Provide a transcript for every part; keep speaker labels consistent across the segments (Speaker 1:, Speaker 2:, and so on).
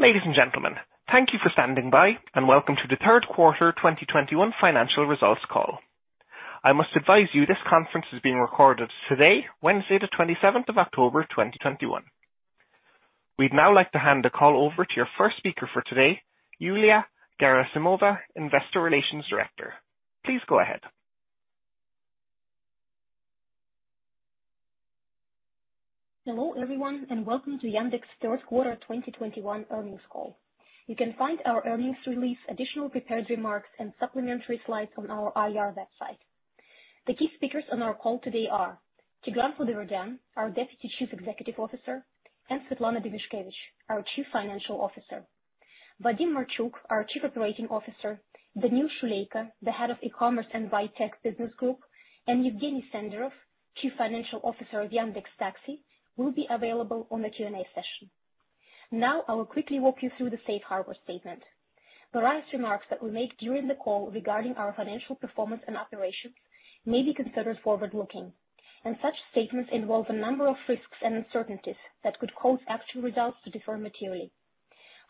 Speaker 1: Ladies and gentlemen, thank you for standing by, and welcome to the Third Quarter 2021 Financial Results Call. I must advise you this conference is being recorded today, Wednesday the 27th of October, 2021. We'd now like to hand the call over to your first speaker for today, Yulia Gerasimova, Investor Relations Director. Please go ahead.
Speaker 2: Hello, everyone, and welcome to Yandex Third Quarter 2021 Earnings Call. You can find our earnings release, additional prepared remarks, and supplementary slides on our IR website. The key speakers on our call today are Tigran Khudaverdyan, our Deputy Chief Executive Officer, and Svetlana Demyashkevich, our Chief Financial Officer. Vadim Marchuk, our Chief Operating Officer, Daniil Shuleyko, the Head of E-commerce and Ride-Tech Business Group, and Yevgeny Senderov, Chief Financial Officer of Yandex.Taxi, will be available on the Q&A session. Now, I will quickly walk you through the safe harbor statement. Various remarks that we make during the call regarding our financial performance and operations may be considered forward-looking, and such statements involve a number of risks and uncertainties that could cause actual results to differ materially.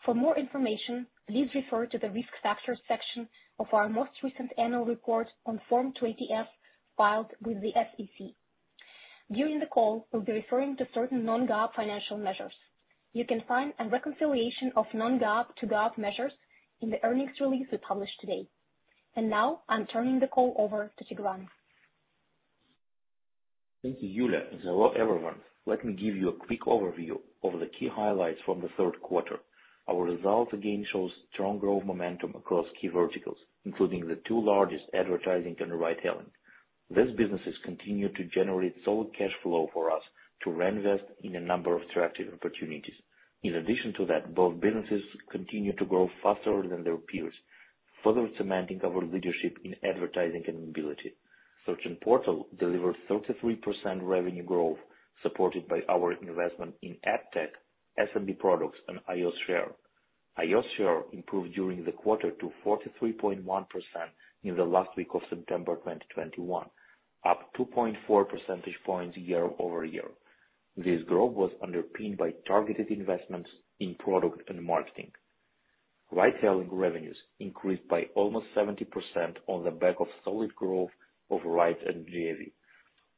Speaker 2: For more information, please refer to the Risk Factors section of our most recent annual report on Form 20-F filed with the SEC. During the call, we'll be referring to certain non-GAAP financial measures. You can find a reconciliation of non-GAAP to GAAP measures in the earnings release we published today. Now, I'm turning the call over to Tigran.
Speaker 3: Thank you, Yulia. Hello, everyone. Let me give you a quick overview of the key highlights from the third quarter. Our results again shows strong growth momentum across key verticals, including the two largest, advertising and Ride-Hailing. These businesses continue to generate solid cash flow for us to reinvest in a number of attractive opportunities. In addition to that, both businesses continue to grow faster than their peers, further cementing our leadership in advertising and mobility. Search and portal delivered 33% revenue growth, supported by our investment in Ad Tech, SMB products, and iOS share. iOS share improved during the quarter to 43.1% in the last week of September 2021, up 2.4 percentage points year-over-year. This growth was underpinned by targeted investments in product and marketing. Ride-hailing revenues increased by almost 70% on the back of solid growth of rides and GMV.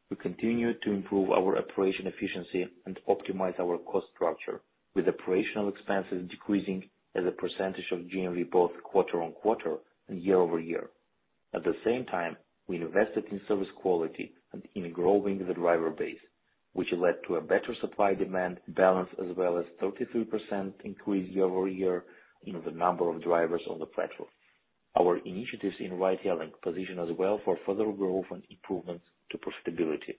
Speaker 3: We continue to improve our operational efficiency and optimize our cost structure with operational expenses decreasing as a percentage of GMV both quarter-over-quarter and year-over-year. At the same time, we invested in service quality and in growing the driver base, which led to a better supply-demand balance, as well as 33% increase year-over-year in the number of drivers on the platform. Our initiatives in ride-hailing position us well for further growth and improvements to profitability.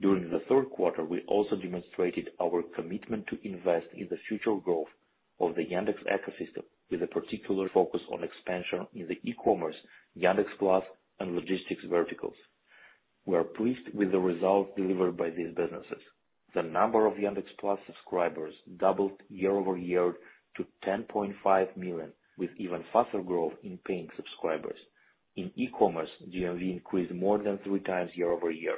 Speaker 3: During the third quarter, we also demonstrated our commitment to invest in the future growth of the Yandex ecosystem, with a particular focus on expansion in the e-commerce, Yandex.Plus, and logistics verticals. We are pleased with the results delivered by these businesses. The number of Yandex.Plus subscribers doubled year-over-year to 10.5 million, with even faster growth in paying subscribers. In e-commerce, GMV increased more than 3x year-over-year.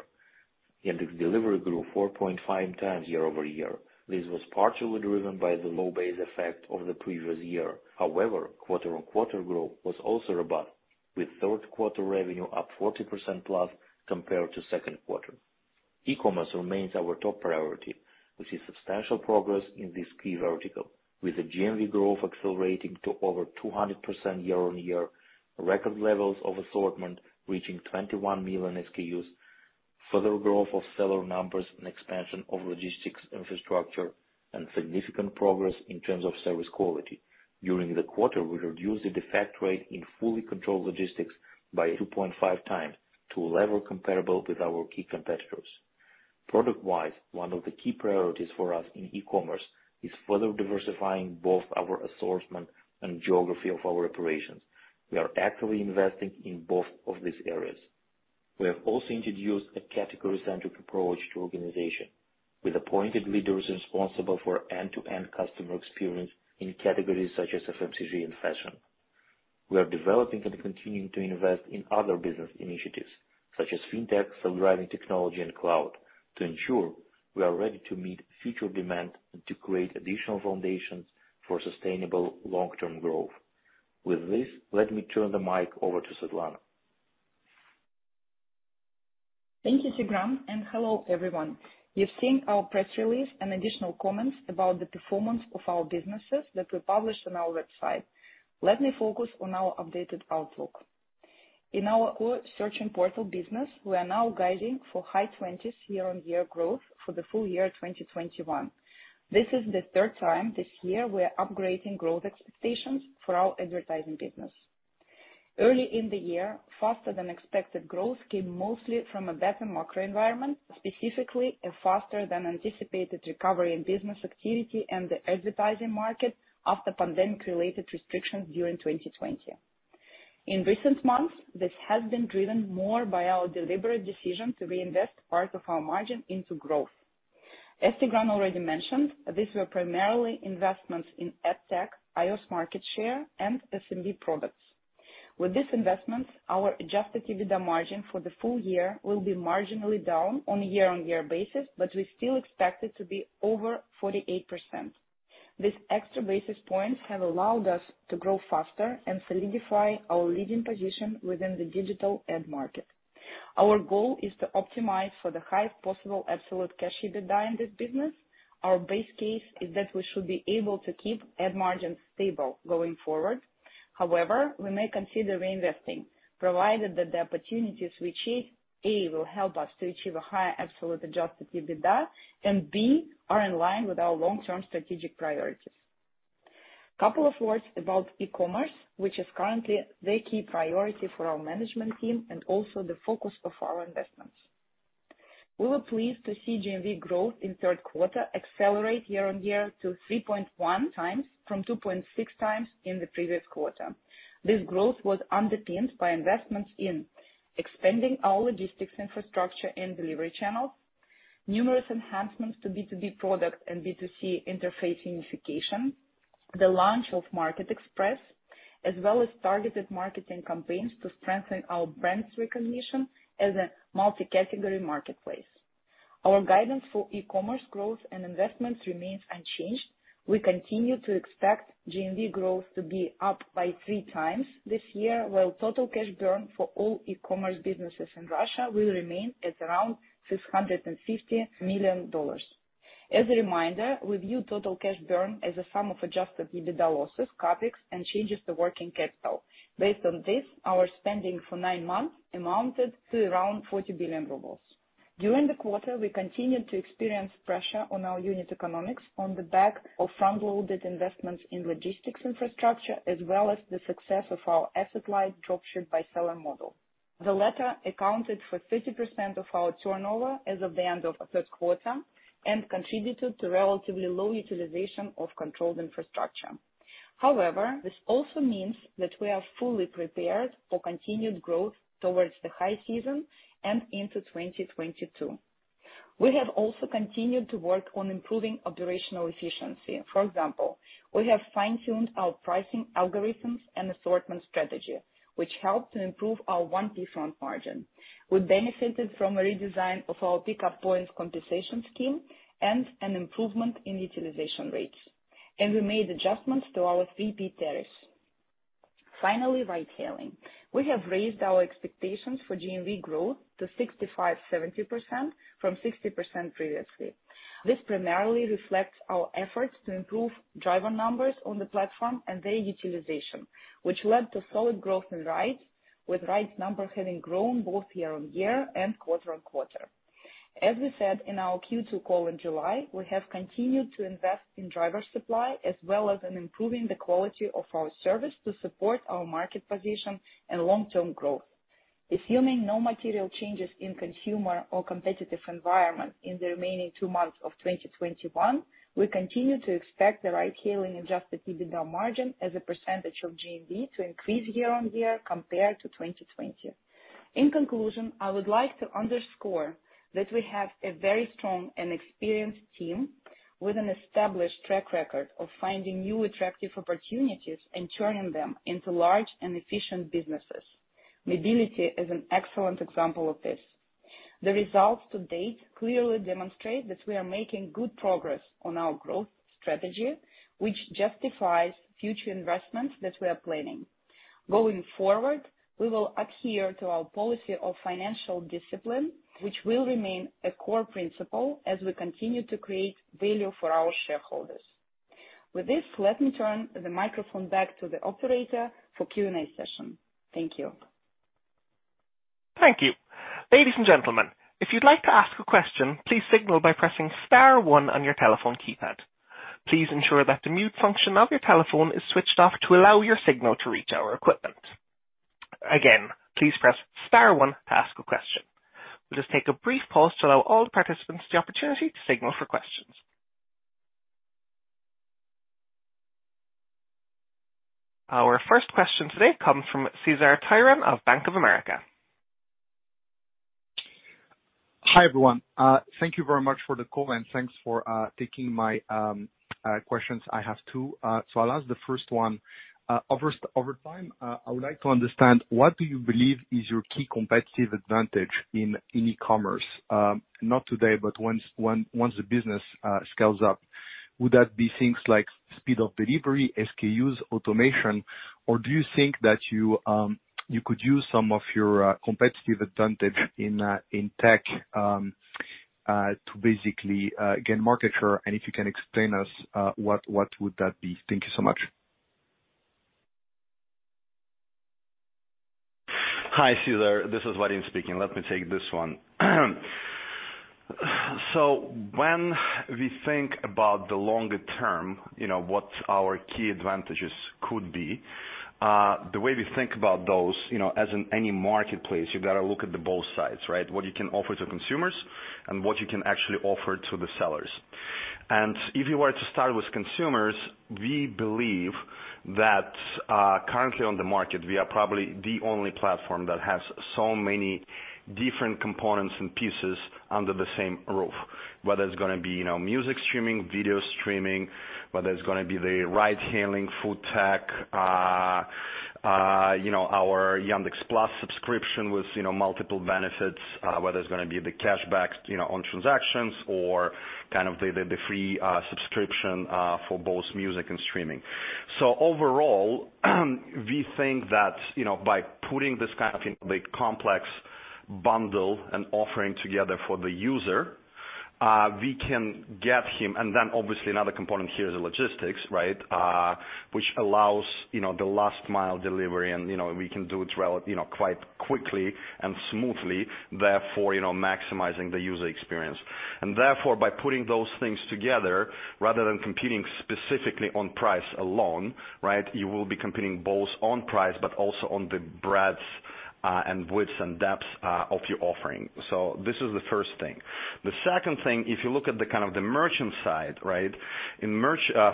Speaker 3: Yandex.Delivery grew 4.5x year-over-year. This was partially driven by the low base effect of the previous year. However, quarter-on-quarter growth was also robust, with third quarter revenue up 40%+ compared to second quarter. E-commerce remains our top priority. We see substantial progress in this key vertical, with the GMV growth accelerating to over 200% year-over-year, record levels of assortment reaching 21 million SKUs, further growth of seller numbers and expansion of logistics infrastructure, and significant progress in terms of service quality. During the quarter, we reduced the defect rate in fully controlled logistics by 2.5x to a level comparable with our key competitors. Product-wise, one of the key priorities for us in e-commerce is further diversifying both our assortment and geography of our operations. We are actively investing in both of these areas. We have also introduced a category-centric approach to organization, with appointed leaders responsible for end-to-end customer experience in categories such as FMCG and fashion. We are developing and continuing to invest in other business initiatives such as Fintech, self-driving technology, and cloud to ensure we are ready to meet future demand and to create additional foundations for sustainable long-term growth. With this, let me turn the mic over to Svetlana.
Speaker 4: Thank you, Tigran, and hello, everyone. You've seen our press release and additional comments about the performance of our businesses that we published on our website. Let me focus on our updated outlook. In our search and portal business, we are now guiding for high 20s year-on-year growth for the full year 2021. This is the third time this year we are upgrading growth expectations for our advertising business. Early in the year, faster than expected growth came mostly from a better macro environment, specifically a faster than anticipated recovery in business activity and the advertising market after pandemic-related restrictions during 2020. In recent months, this has been driven more by our deliberate decision to reinvest part of our margin into growth. As Tigran already mentioned, these were primarily investments in Ad Tech, iOS market share, and SMB products. With this investment, our adjusted EBITDA margin for the full year will be marginally down on a year-on-year basis, but we still expect it to be over 48%. These extra basis points have allowed us to grow faster and solidify our leading position within the digital ad market. Our goal is to optimize for the highest possible absolute cash EBITDA in this business. Our base case is that we should be able to keep ad margins stable going forward. However, we may consider reinvesting, provided that the opportunities we achieve, A, will help us to achieve a higher absolute adjusted EBITDA, and B, are in line with our long-term strategic priorities. A couple of words about e-commerce, which is currently the key priority for our management team and also the focus of our investments. We were pleased to see GMV growth in third quarter accelerate year-on-year to 3.1x from 2.6x in the previous quarter. This growth was underpinned by investments in expanding our logistics infrastructure and delivery channels, numerous enhancements to B2B product and B2C interface unification, the launch of Market Express, as well as targeted marketing campaigns to strengthen our brand's recognition as a multi-category marketplace. Our guidance for e-commerce growth and investments remains unchanged. We continue to expect GMV growth to be up by 3x this year, while total cash burn for all e-commerce businesses in Russia will remain at around $650 million. As a reminder, we view total cash burn as a sum of adjusted EBITDA losses, CapEx, and changes to working capital. Based on this, our spending for nine months amounted to around 40 billion rubles. During the quarter, we continued to experience pressure on our unit economics on the back of front-loaded investments in logistics infrastructure, as well as the success of our asset-light Dropship by Seller model. The latter accounted for 30% of our turnover as of the end of third quarter and contributed to relatively low utilization of controlled infrastructure. However, this also means that we are fully prepared for continued growth towards the high season and into 2022. We have also continued to work on improving operational efficiency. For example, we have fine-tuned our pricing algorithms and assortment strategy, which helped to improve our underlying margin. We benefited from a redesign of our pickup points compensation scheme and an improvement in utilization rates. We made adjustments to our PVZ tariffs. Finally, ride-hailing. We have raised our expectations for GMV growth to 65%-70% from 60% previously. This primarily reflects our efforts to improve driver numbers on the platform and their utilization, which led to solid growth in rides, with ride numbers having grown both year-on-year and quarter-on-quarter. As we said in our Q2 call in July, we have continued to invest in driver supply as well as in improving the quality of our service to support our market position and long-term growth. Assuming no material changes in consumer or competitive environment in the remaining two months of 2021, we continue to expect the ride-hailing adjusted EBITDA margin as a percentage of GMV to increase year-on-year compared to 2020. In conclusion, I would like to underscore that we have a very strong and experienced team with an established track record of finding new attractive opportunities and turning them into large and efficient businesses. Mobility is an excellent example of this. The results to date clearly demonstrate that we are making good progress on our growth strategy, which justifies future investments that we are planning. Going forward, we will adhere to our policy of financial discipline, which will remain a core principle as we continue to create value for our shareholders. With this, let me turn the microphone back to the operator for Q&A session. Thank you.
Speaker 1: Thank you. Ladies and gentlemen, if you'd like to ask a question, please signal by pressing star one on your telephone keypad. Please ensure that the mute function of your telephone is switched off to allow your signal to reach our equipment. Again, please press star one to ask a question. We'll just take a brief pause to allow all participants the opportunity to signal for questions. Our first question today comes from Cesar Tiron of Bank of America.
Speaker 5: Hi, everyone. Thank you very much for the call, and thanks for taking my questions. I have two. I'll ask the first one. Over time, I would like to understand what do you believe is your key competitive advantage in e-commerce? Not today, but once the business scales up. Would that be things like speed of delivery, SKUs, automation? Or do you think that you could use some of your competitive advantage in tech to basically gain market share? If you can explain us what would that be? Thank you so much.
Speaker 6: Hi, Cesar. This is Vadim speaking. Let me take this one. When we think about the longer-term, you know, what our key advantages could be, the way we think about those, you know, as in any marketplace, you've got to look at both sides, right? What you can offer to consumers and what you can actually offer to the sellers. If you were to start with consumers, we believe that, currently on the market, we are probably the only platform that has so many different components and pieces under the same roof. Whether it's gonna be, you know, music streaming, video streaming, whether it's gonna be the ride-hailing, food tech. You know, our Yandex.Plus subscription with, you know, multiple benefits, whether it's gonna be the cashbacks, you know, on transactions or kind of the free subscription for both music and streaming. Overall, we think that, you know, by putting this kind of the complex bundle and offering together for the user, we can get him. Then obviously another component here is the logistics, right? Which allows, you know, the last mile delivery and, you know, we can do it you know, quite quickly and smoothly, therefore, you know, maximizing the user experience. Therefore by putting those things together rather than competing specifically on price alone, right? You will be competing both on price but also on the breadth and widths and depths of your offering. This is the first thing. The second thing, if you look at the kind of the merchant side, right?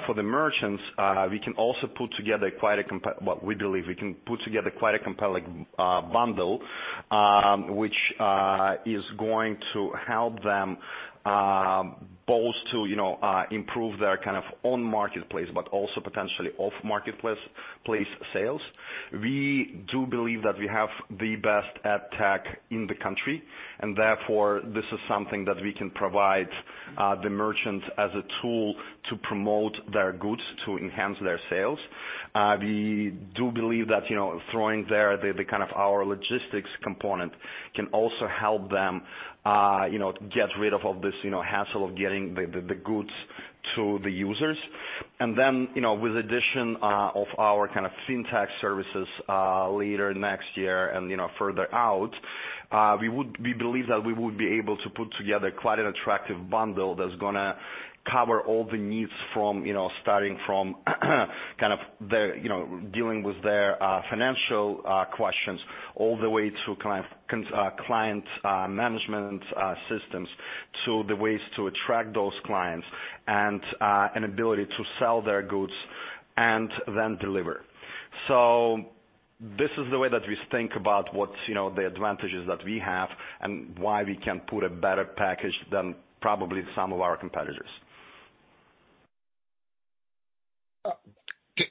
Speaker 6: For the merchants, well, we believe we can put together quite a compelling bundle, which is going to help them both to, you know, improve their kind of own marketplace, but also potentially off-marketplace sales. We do believe that we have the best Ad Tech in the country, and therefore this is something that we can provide the merchants as a tool to promote their goods, to enhance their sales. We do believe that, you know, throwing there the kind of our logistics component can also help them, you know, get rid of all this, you know, hassle of getting the goods to the users. With addition of our kind of Fintech services later next year and, you know, further out, we believe that we would be able to put together quite an attractive bundle that's gonna cover all the needs from, you know, starting from, kind of their, you know, dealing with their financial questions, all the way to client management systems to the ways to attract those clients and an ability to sell their goods and then deliver. This is the way that we think about what's, you know, the advantages that we have and why we can put a better package than probably some of our competitors.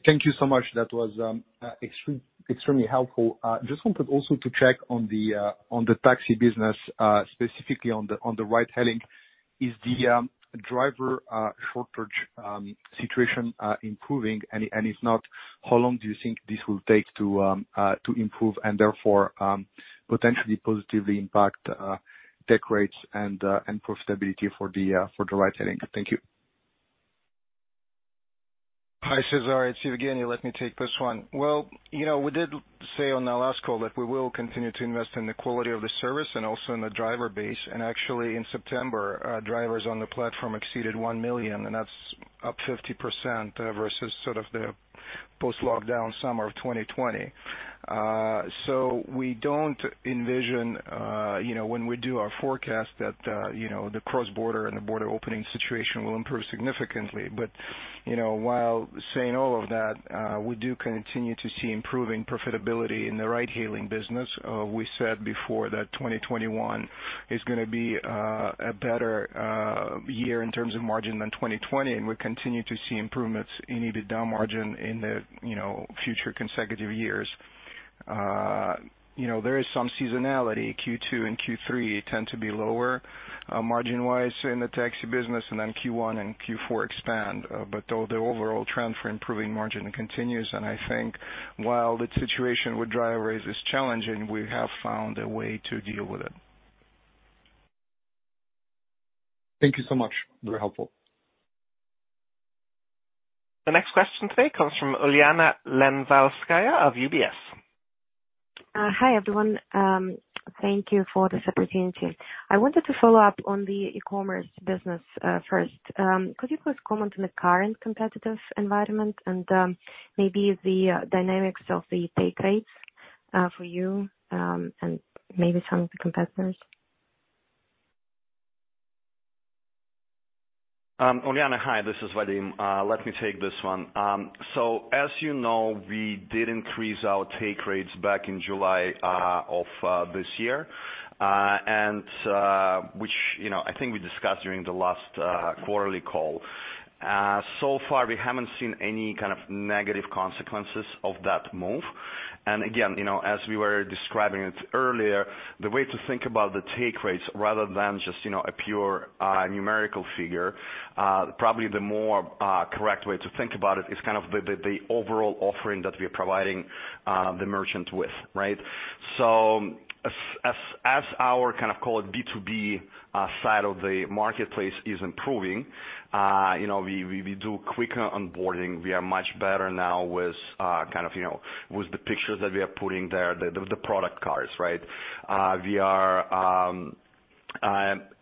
Speaker 5: Thank you so much. That was extremely helpful. Just wanted also to check on the taxi business, specifically on the ride-hailing. Is the driver shortage situation improving? If not, how long do you think this will take to improve and therefore potentially positively impact take rates and profitability for the ride-hailing? Thank you.
Speaker 7: Hi, Cesar, it's Yevgeny. Let me take this one. Well, you know, we did say on our last call that we will continue to invest in the quality of the service and also in the driver base. Actually, in September, drivers on the platform exceeded one million, and that's up 50%, versus sort of the post-lockdown summer of 2020. We don't envision, you know, when we do our forecast that, you know, the cross-border and the border opening situation will improve significantly. You know, while saying all of that, we do continue to see improving profitability in the ride-hailing business. We said before that 2021 is gonna be a better year in terms of margin than 2020, and we continue to see improvements in EBITDA margin in the, you know, future years. You know, there is some seasonality. Q2 and Q3 tend to be lower margin-wise in the taxi business, and then Q1 and Q4 expand. The overall trend for improving margin continues, and I think while the situation with driver rates is challenging, we have found a way to deal with it.
Speaker 5: Thank you so much. Very helpful.
Speaker 1: The next question today comes from Ulyana Lenvalskaya of UBS.
Speaker 8: Hi, everyone. Thank you for this opportunity. I wanted to follow up on the e-commerce business, first. Could you please comment on the current competitive environment and maybe the dynamics of the take rates, for you and maybe some of the competitors?
Speaker 6: Ulyana, hi. This is Vadim. Let me take this one. As you know, we did increase our take rates back in July of this year, which, you know, I think we discussed during the last quarterly call. So far we haven't seen any kind of negative consequences of that move. Again, you know, as we were describing it earlier, the way to think about the take rates rather than just, you know, a pure numerical figure, probably the more correct way to think about it is kind of the overall offering that we are providing the merchant with, right? So as our kind of, call it B2B side of the marketplace is improving, you know, we do quicker onboarding. We are much better now with kind of, you know, with the pictures that we are putting there, the product cards, right? We are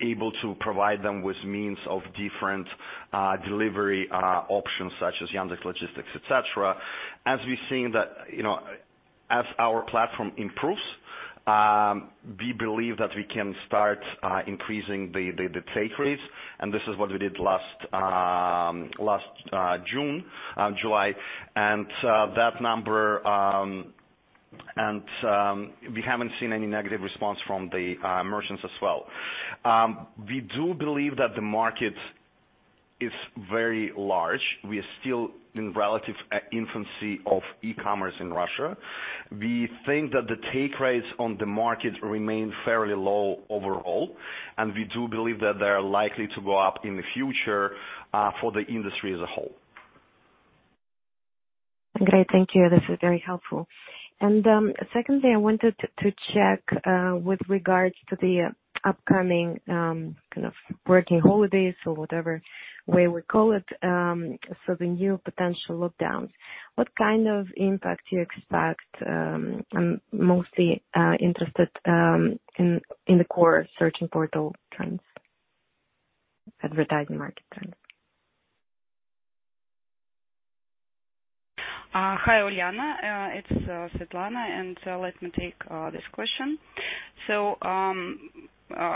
Speaker 6: able to provide them with means of different delivery options such as Yandex.Logistics, et cetera. You know, as our platform improves, we believe that we can start increasing the take rates, and this is what we did last June and July. That number and we haven't seen any negative response from the merchants as well. We do believe that the market is very large. We are still in relative infancy of e-commerce in Russia. We think that the take rates on the market remain fairly low overall, and we do believe that they are likely to go up in the future for the industry as a whole.
Speaker 8: Great, thank you. This is very helpful. Secondly, I wanted to check with regards to the upcoming kind of working holidays or whatever way we call it, so the new potential lockdowns, what kind of impact do you expect? I'm mostly interested in the core searching portal trends, advertising market trends.
Speaker 4: Hi, Ulyana. It's Svetlana. Let me take this question.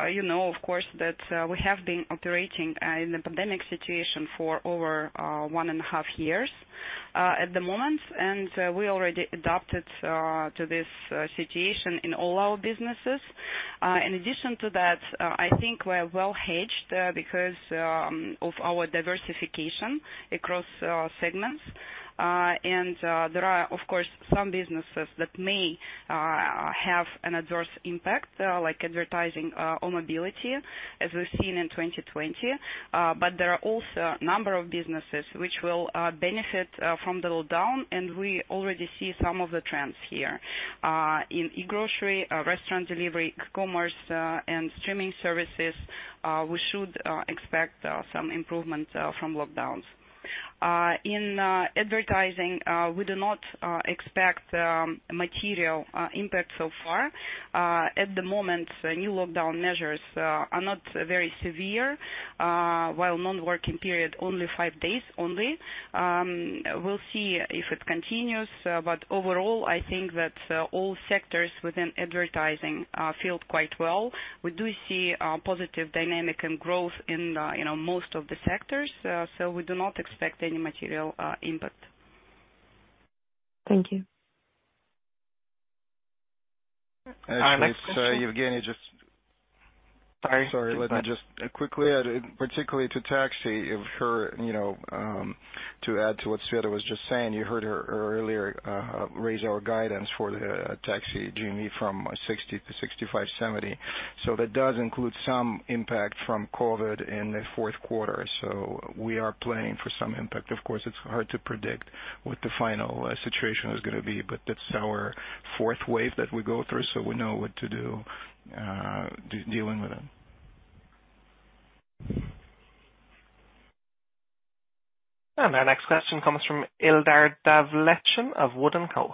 Speaker 4: You know, of course, that we have been operating in the pandemic situation for over one and a half years at the moment, and we already adapted to this situation in all our businesses. In addition to that, I think we're well hedged because of our diversification across segments. There are, of course, some businesses that may have an adverse impact like advertising or mobility as we've seen in 2020. There are also a number of businesses which will benefit from the lockdown, and we already see some of the trends here. In e-grocery, restaurant delivery, commerce, and streaming services, we should expect some improvement from lockdowns. In advertising, we do not expect material impact so far. At the moment, new lockdown measures are not very severe, while non-working period only five days. We'll see if it continues. Overall I think that all sectors within advertising feel quite well. We do see positive dynamics and growth in, you know, most of the sectors. We do not expect any material impact.
Speaker 8: Thank you.
Speaker 1: Next question.
Speaker 7: Actually, it's Yevgeny, just.
Speaker 1: Sorry.
Speaker 7: Sorry. Let me just quickly add, particularly to taxi in here, you know, to add to what Svetlana was just saying. You heard her earlier raise our guidance for the taxi GMV from 60% to 65%-70%. That does include some impact from COVID in the fourth quarter. We are planning for some impact. Of course, it's hard to predict what the final situation is gonna be, but that's our fourth wave that we go through. We know what to do, dealing with it.
Speaker 1: Our next question comes from Ildar Davletshin of WOOD & Co.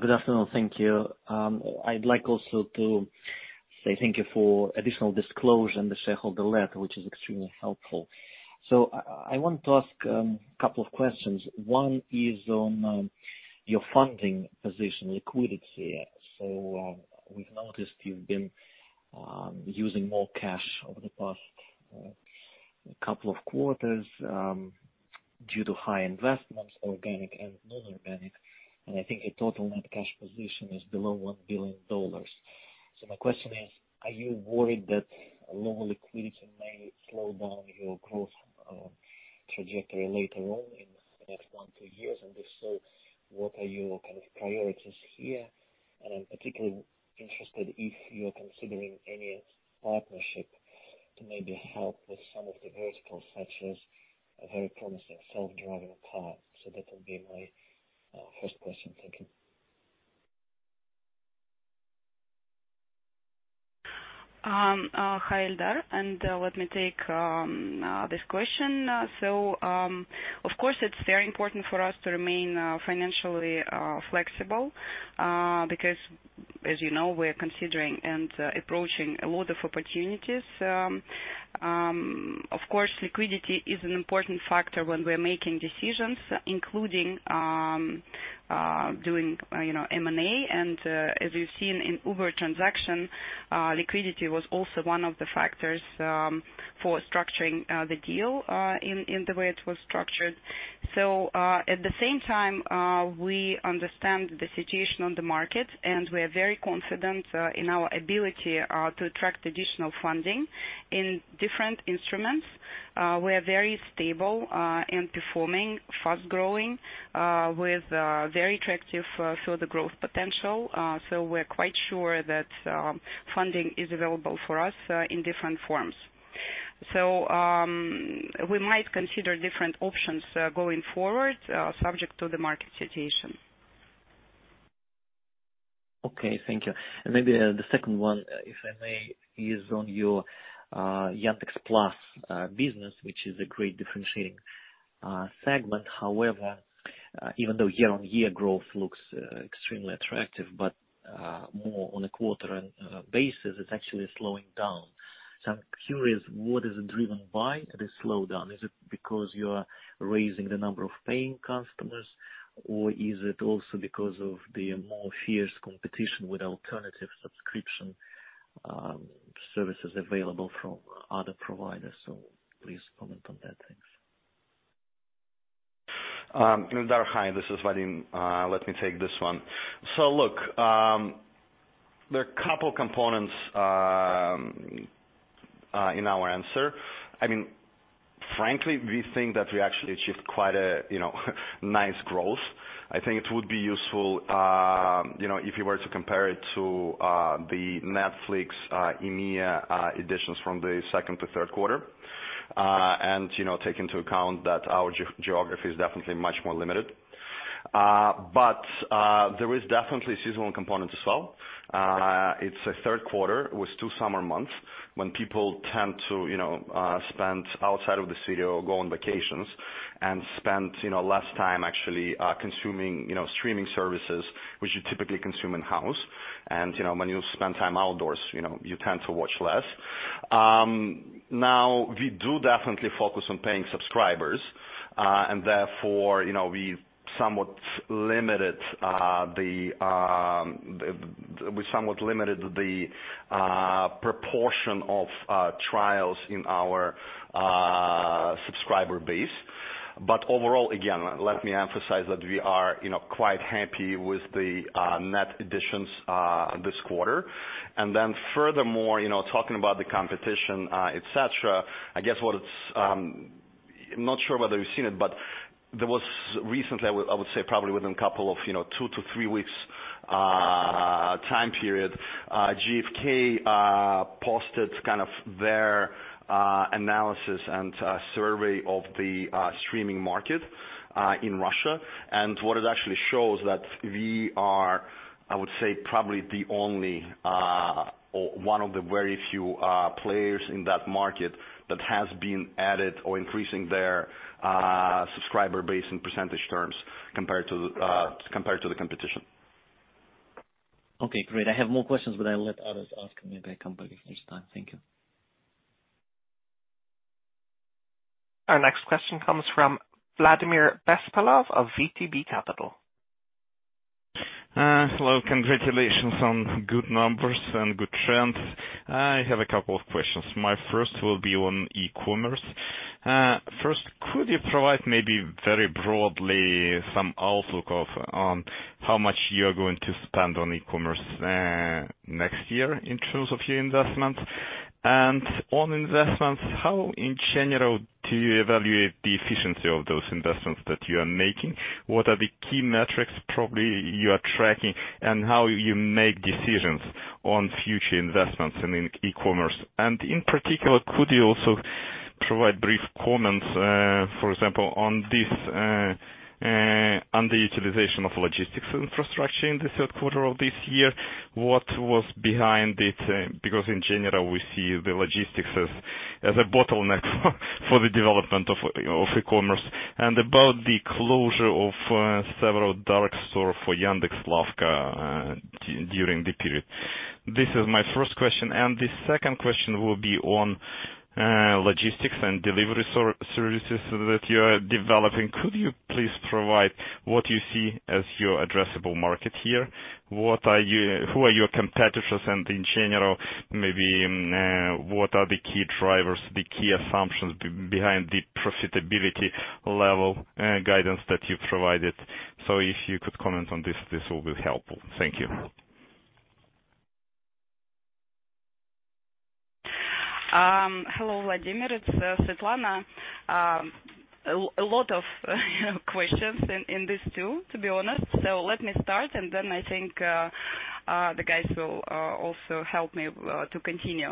Speaker 9: Good afternoon. Thank you. I'd like also to say thank you for additional disclosure in the shareholder letter, which is extremely helpful. I want to ask a couple of questions. One is on your funding position liquidity. We've noticed you've been using more cash over the past couple of quarters due to high investments, organic and non-organic, and I think your total net cash position is below $1 billion. My question is, are you worried that low liquidity may slow down your growth trajectory later on in the next one, two years? If so, what are your kind of priorities here? I'm particularly interested if you're considering any partnership to maybe help with some of the verticals, such as a very promising self-driving car. That will be my first question. Thank you.
Speaker 4: Hi, Ildar, let me take this question. Of course, it's very important for us to remain financially flexible because as you know, we are considering and approaching a lot of opportunities. Of course, liquidity is an important factor when we are making decisions, including doing, you know, M&A. As you've seen in Uber transaction, liquidity was also one of the factors for structuring the deal in the way it was structured. At the same time, we understand the situation on the market, and we are very confident in our ability to attract additional funding in different instruments. We are very stable and performing fast-growing with very attractive further growth potential. We're quite sure that funding is available for us in different forms. We might consider different options going forward subject to the market situation.
Speaker 9: Okay, thank you. Maybe, the second one, if I may, is on your, Yandex.Plus, business, which is a great differentiating, segment. However, even though year-on-year growth looks, extremely attractive, but, more on a quarter basis, it's actually slowing down. I'm curious, what is it driven by, this slowdown? Is it because you are raising the number of paying customers, or is it also because of the more fierce competition with alternative subscription services available from other providers? Please comment on that. Thanks.
Speaker 6: Ildar, hi. This is Vadim. Let me take this one. Look, there are a couple components in our answer. I mean, frankly, we think that we actually achieved quite a, you know, nice growth. I think it would be useful, you know, if you were to compare it to the Netflix EMEA editions from the second to third quarter. You know, take into account that our geography is definitely much more limited. There is definitely seasonal component as well. It's a third quarter with two summer months when people tend to, you know, spend outside of the city or go on vacations and spend, you know, less time actually, consuming, you know, streaming services, which you typically consume in-house. You know, when you spend time outdoors, you know, you tend to watch less. Now we do definitely focus on paying subscribers, and therefore, you know, we somewhat limited the proportion of trials in our subscriber base. But overall, again, let me emphasize that we are, you know, quite happy with the net additions this quarter. Furthermore, you know, talking about the competition, et cetera, I guess what it's, I'm not sure whether you've seen it, but there was recently, I would say probably within a couple of, you know, two-three weeks time period, GfK posted kind of their analysis and survey of the streaming market in Russia. What it actually shows that we are, I would say, probably the only, or one of the very few, players in that market that has been added or increasing their subscriber base in percentage terms compared to the competition.
Speaker 9: Okay, great. I have more questions, but I'll let others ask maybe a couple if there's time. Thank you.
Speaker 1: Our next question comes from Vladimir Bespalov of VTB Capital.
Speaker 10: Hello. Congratulations on good numbers and good trends. I have a couple of questions. My first will be on e-commerce. First, could you provide maybe very broadly some outlook on how much you are going to spend on e-commerce next year in terms of your investments? And on investments, how in general do you evaluate the efficiency of those investments that you are making? What are the key metrics probably you are tracking, and how you make decisions on future investments in e-commerce? And in particular, could you also provide brief comments, for example, on this underutilization of logistics infrastructure in the third quarter of this year? What was behind it? Because in general, we see the logistics as a bottleneck for the development of e-commerce. About the closure of several dark store for Yandex.Lavka During the period. This is my first question. The second question will be on logistics and delivery services that you are developing. Could you please provide what you see as your addressable market here? Who are your competitors and in general, maybe, what are the key drivers, the key assumptions behind the profitability level guidance that you provided? If you could comment on this will be helpful. Thank you.
Speaker 4: Hello, Vladimir. It's Svetlana. A lot of, you know, questions in this too, to be honest. Let me start, and then I think the guys will also help me to continue.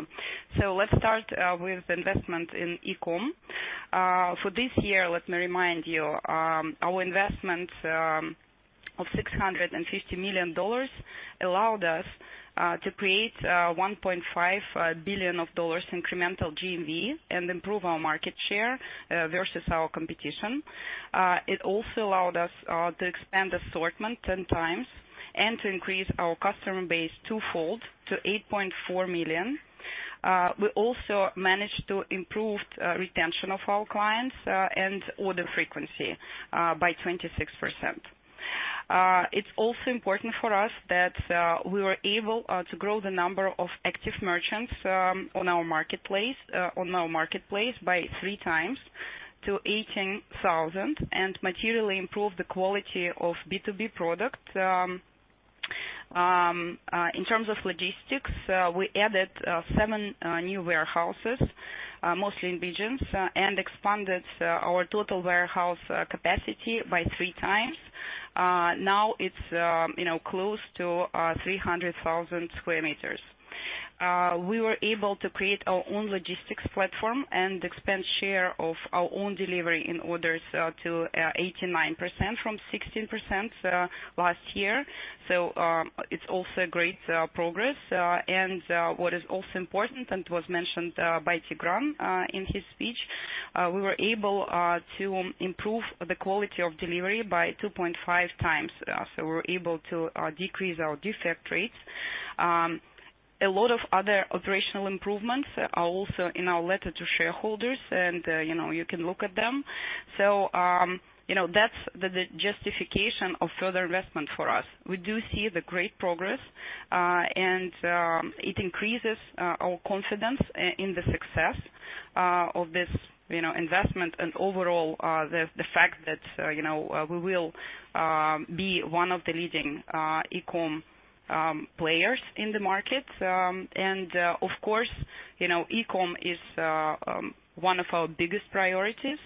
Speaker 4: Let's start with investment in e-com. For this year, let me remind you, our investment of $650 million allowed us to create $1.5 billion of incremental GMV and improve our market share versus our competition. It also allowed us to expand assortment 10x and to increase our customer base twofold to 8.4 million. We also managed to improve retention of our clients and order frequency by 26%. It's also important for us that we were able to grow the number of active merchants on our marketplace by 3x to 18,000 and materially improve the quality of B2B product. In terms of logistics, we added seven new warehouses mostly in regions and expanded our total warehouse capacity by 3x. Now it's you know close to 300,000 sq m. We were able to create our own logistics platform and expand share of our own delivery in orders to 89% from 16% last year. It's also a great progress. What is also important, and it was mentioned by Tigran in his speech, we were able to improve the quality of delivery by 2.5x. We were able to decrease our defect rates. A lot of other operational improvements are also in our letter to shareholders, and you know, you can look at them. That's the justification of further investment for us. We do see the great progress, and it increases our confidence in the success of this, you know, investment and overall, the fact that you know we will be one of the leading e-com players in the market. Of course, you know, e-com is one of our biggest priorities.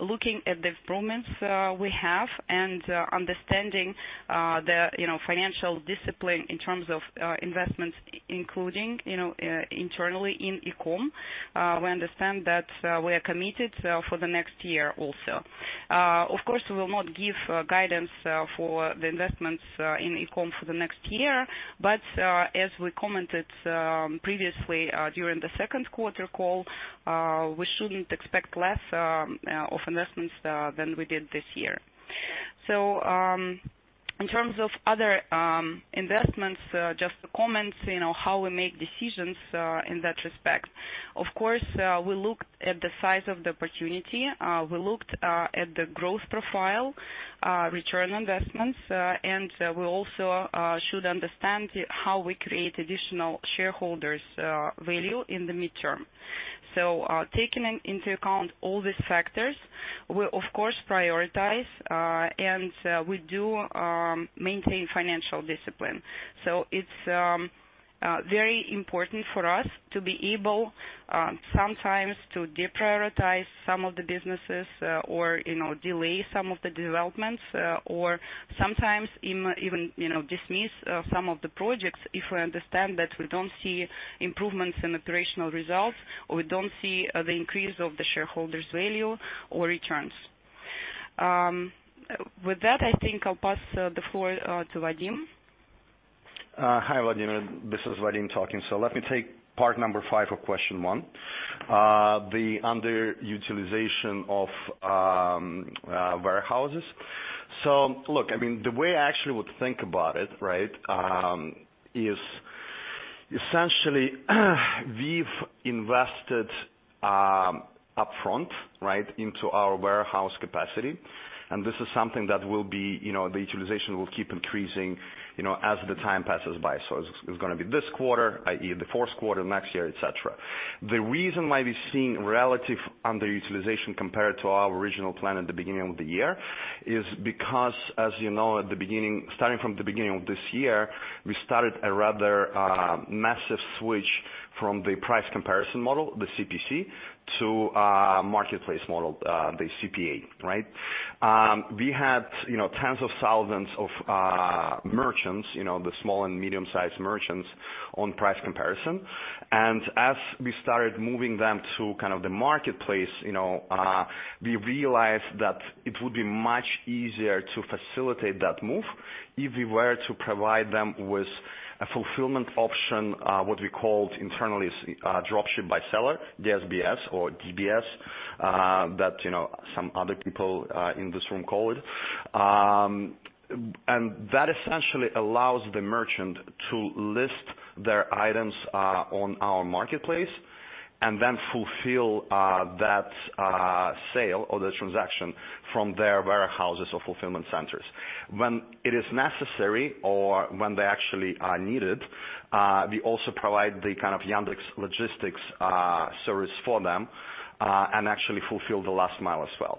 Speaker 4: Looking at the improvements we have and understanding the you know financial discipline in terms of investments including you know internally in e-com, we understand that we are committed for the next year also. Of course, we will not give guidance for the investments in e-com for the next year, but as we commented previously during the second quarter call, we shouldn't expect less of investments than we did this year. In terms of other investments, just to comment you know how we make decisions in that respect. Of course, we looked at the size of the opportunity, at the growth profile, return on investments, and we also should understand how we create additional shareholders' value in the midterm. Taking into account all these factors, we'll of course prioritize, and we do maintain financial discipline. It's very important for us to be able sometimes to deprioritize some of the businesses, or, you know, delay some of the developments, or sometimes even, you know, dismiss some of the projects if we understand that we don't see improvements in operational results, or we don't see the increase of the shareholders' value or returns. With that, I think I'll pass the floor to Vadim.
Speaker 6: Hi, Vladimir. This is Vadim talking. Let me take part number five of question one. The underutilization of warehouses. Look, I mean, the way I actually would think about it, right? Is essentially we've invested upfront, right, into our warehouse capacity, and this is something that will be, you know, the utilization will keep increasing, you know, as the time passes by. It's gonna be this quarter, i.e., the fourth quarter, next year, et cetera. The reason why we're seeing relative underutilization compared to our original plan at the beginning of the year is because, as you know, starting from the beginning of this year, we started a rather massive switch from the price comparison model, the CPC, to marketplace model, the CPA, right? We had, you know, tens of thousands of merchants, you know, the small and medium-sized merchants on price comparison. As we started moving them to kind of the marketplace, you know, we realized that it would be much easier to facilitate that move if we were to provide them with a fulfillment option, what we called internally, Dropship by Seller, DSBS or DBS, that, you know, some other people in this room call it. That essentially allows the merchant to list their items on our marketplace and then fulfill that sale or the transaction from their warehouses or fulfillment centers, when it is necessary or when they actually are needed, we also provide the kind of Yandex.Logistics service for them and actually fulfill the last mile as well.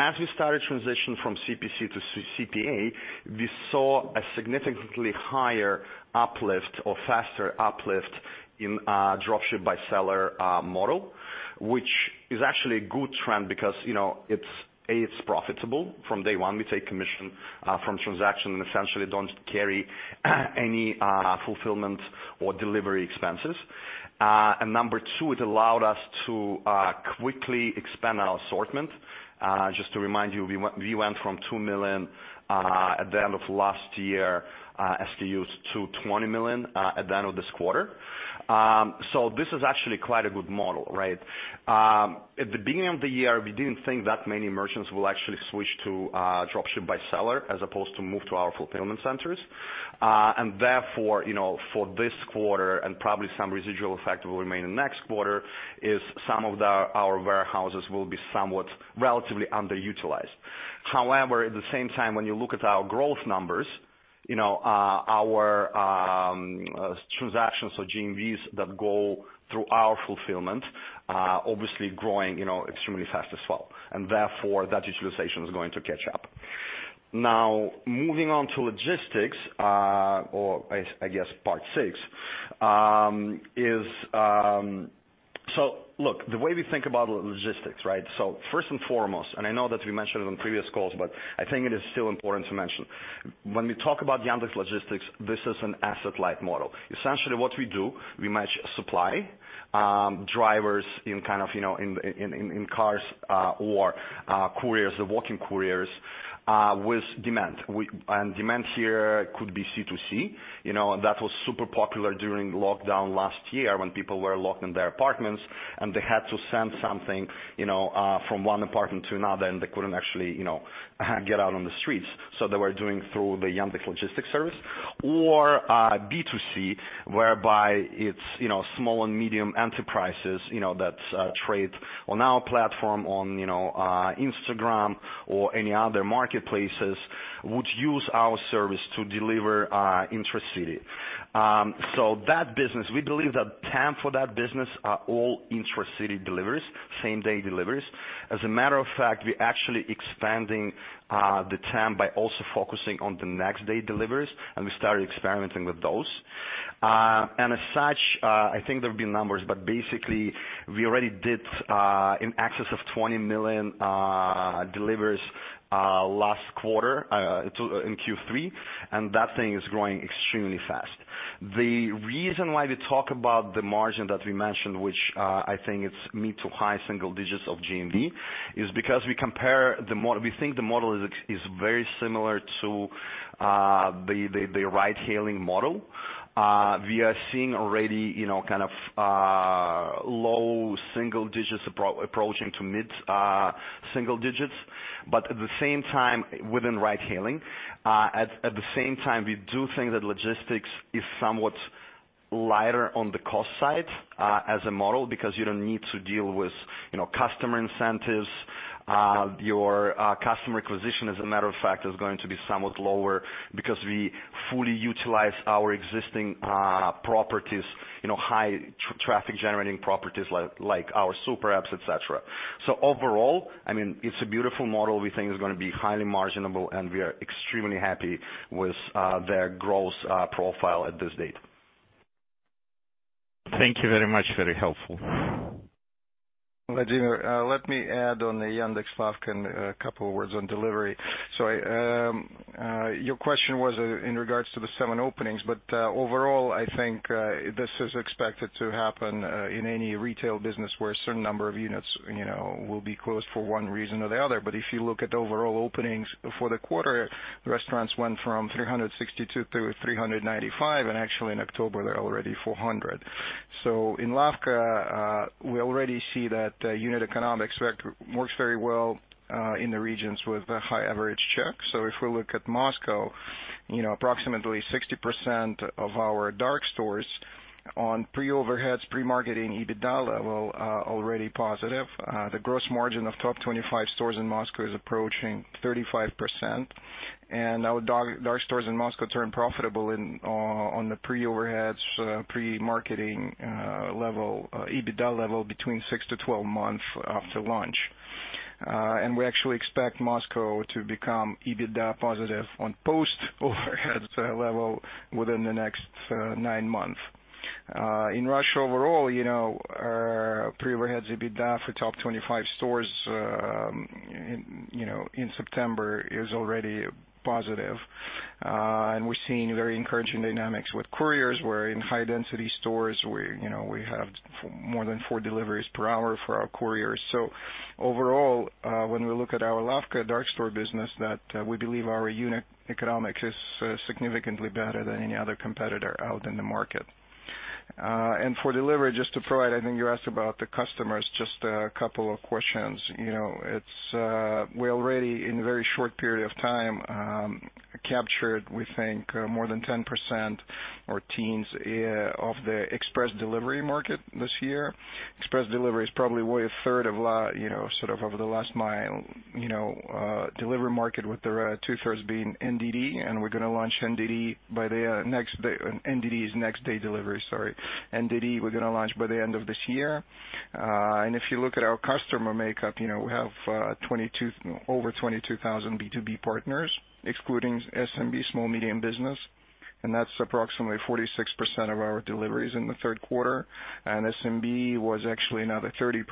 Speaker 6: As we started transition from CPC to C-CPA, we saw a significantly higher uplift or faster uplift in Dropship by Seller model, which is actually a good trend because, you know, it's profitable. From day one, we take commission from transaction and essentially don't carry any fulfillment or delivery expenses. Number two, it allowed us to quickly expand our assortment. Just to remind you, we went from 2 million SKUs at the end of last year to 20 million at the end of this quarter. This is actually quite a good model, right? At the beginning of the year, we didn't think that many merchants will actually switch to Dropship by Seller as opposed to move to our fulfillment centers. Therefore, you know, for this quarter, and probably some residual effect will remain in next quarter, our warehouses will be somewhat relatively underutilized. However, at the same time, when you look at our growth numbers, you know, our transactions or GMVs that go through our fulfillment are obviously growing, you know, extremely fast as well, and therefore that utilization is going to catch up. Now, moving on to logistics. Look, the way we think about logistics, right? First and foremost, I know that we mentioned it on previous calls, but I think it is still important to mention. When we talk about Yandex.Logistics, this is an asset-light model. Essentially what we do, we match supply, drivers in kind of, you know, in cars, or couriers, the walking couriers, with demand. Demand here could be C2C. You know, that was super popular during lockdown last year when people were locked in their apartments and they had to send something, you know, from one apartment to another, and they couldn't actually, you know, get out on the streets. They were doing through the Yandex.Logistics service. Or B2C, whereby it's, you know, small and medium enterprises, you know, that trade on our platform on, you know, Instagram or any other marketplaces, would use our service to deliver, intracity. That business, we believe that TAM for that business are all intracity deliveries, same-day deliveries. As a matter of fact, we're actually expanding the TAM by also focusing on the next day deliveries, and we started experimenting with those. As such, I think there have been numbers, but basically we already did in excess of 20 million deliveries last quarter in Q3, and that thing is growing extremely fast. The reason why we talk about the margin that we mentioned, which I think it's mid to high-single digits of GMV, is because we compare we think the model is very similar to the ride-hailing model. We are seeing already, you know, kind of low-single digits approaching to mid-single digits. At the same time, within ride-hailing, we do think that logistics is somewhat lighter on the cost side, as a model because you don't need to deal with, you know, customer incentives. Your customer acquisition, as a matter of fact, is going to be somewhat lower because we fully utilize our existing properties, you know, high traffic-generating properties like our super apps, et cetera. Overall, I mean, it's a beautiful model. We think it's gonna be highly marginable, and we are extremely happy with their growth profile at this date.
Speaker 10: Thank you very much. Very helpful.
Speaker 7: Vladimir, let me add on the Yandex.Lavka and a couple words on delivery. Your question was in regards to the seven openings, but overall, I think this is expected to happen in any retail business where a certain number of units, you know, will be closed for one reason or the other. If you look at overall openings for the quarter, restaurants went from 362 to 395, and actually in October they're already 400. In Lavka, we already see that unit economics works very well in the regions with a high average check. If we look at Moscow, you know, approximately 60% of our dark stores on pre-overheads, pre-marketing EBITDA level are already positive. The gross margin of top 25 stores in Moscow is approaching 35%. Our dark stores in Moscow turn profitable in on the pre-overheads, pre-marketing, level, EBITDA level between six months-12 months after launch. We actually expect Moscow to become EBITDA positive on post overheads, level within the next nine months. In Russia overall, you know, our pre-overheads EBITDA for top 25 stores in September is already positive. We're seeing very encouraging dynamics with couriers, where in high-density stores we, you know, we have more than four deliveries per hour for our couriers. So overall, when we look at our Lavka dark store business, that, we believe our unit economics is significantly better than any other competitor out in the market. For delivery, just to provide, I think you asked about the customers, just a couple of questions. You know, it's. We've already in a very short period of time captured, we think, more than 10% or teens of the express delivery market this year. Express delivery is probably, what, a third of the last mile delivery market with two-thirds being NDD. NDD is next day delivery, sorry. We're gonna launch NDD by the end of this year. If you look at our customer makeup, you know, we have over 22,000 B2B partners, excluding SMB, small medium business, and that's approximately 46% of our deliveries in the third quarter. SMB was actually another 30%.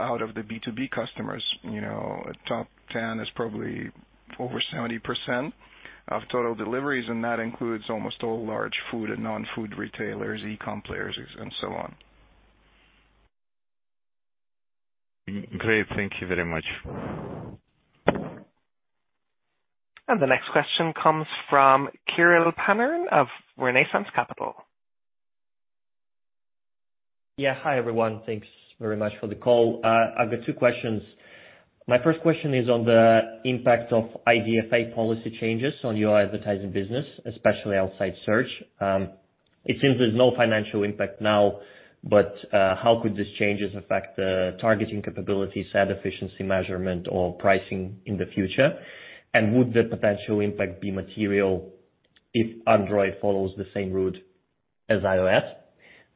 Speaker 7: Out of the B2B customers, you know, top 10 is probably over 70% of total deliveries, and that includes almost all large food and non-food retailers, e-com players, and so on.
Speaker 10: Great. Thank you very much.
Speaker 1: The next question comes from Kirill Panarin of Renaissance Capital.
Speaker 11: Yeah. Hi, everyone. Thanks very much for the call. I've got two questions. My first question is on the impact of IDFA policy changes on your advertising business, especially outside search. It seems there's no financial impact now, but how could these changes affect the targeting capabilities, ad efficiency measurement or pricing in the future? And would the potential impact be material if Android follows the same route as iOS?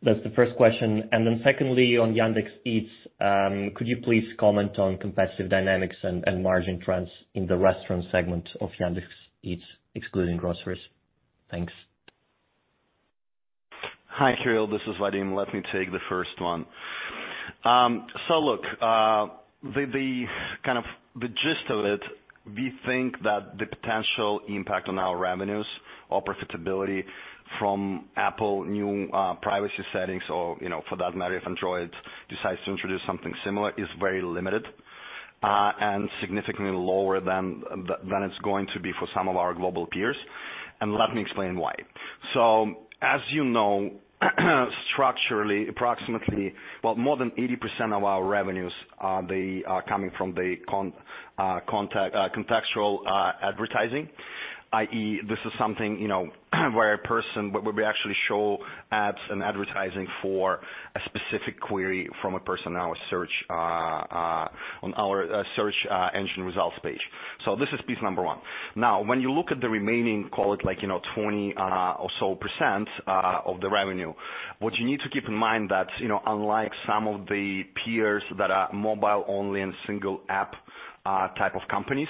Speaker 11: That's the first question. Secondly, on Yandex.Eats, could you please comment on competitive dynamics and margin trends in the restaurant segment of Yandex.Eats, excluding groceries? Thanks.
Speaker 6: Hi, Kirill, this is Vadim. Let me take the first one. Look, the kind of the gist of it, we think that the potential impact on our revenues or profitability from Apple's new privacy settings or, you know, for that matter, if Android decides to introduce something similar, is very limited and significantly lower than it's going to be for some of our global peers. Let me explain why. As you know, structurally, approximately, more than 80% of our revenues they are coming from the contextual advertising. i.e., this is something, you know, where a person where we actually show ads and advertising for a specific query from a person on a search on our search engine results page. This is piece number one. Now, when you look at the remaining, call it like, you know, 20% or so of the revenue, what you need to keep in mind that, you know, unlike some of the peers that are mobile-only and single app type of companies,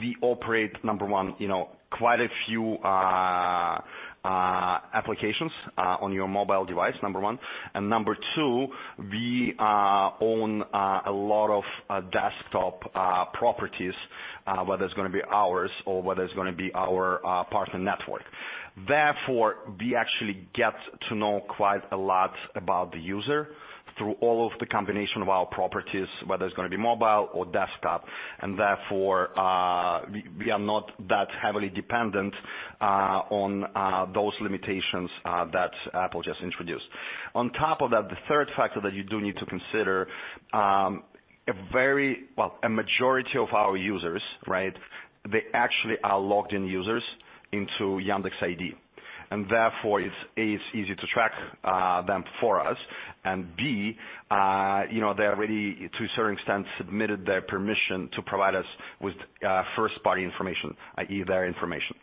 Speaker 6: we operate, number one, you know, quite a few applications on your mobile device, number one. Number two, we own a lot of desktop properties, whether it's gonna be ours or whether it's gonna be our partner network. Therefore, we actually get to know quite a lot about the user through all of the combination of our properties, whether it's gonna be mobile or desktop. Therefore, we are not that heavily dependent on those limitations that Apple just introduced. On top of that, the third factor that you do need to consider, a majority of our users, right? They actually are logged in users into Yandex ID, and therefore it's A, easier to track them for us. B, you know, they already, to a certain extent, submitted their permission to provide us with first-party information, i.e., their information.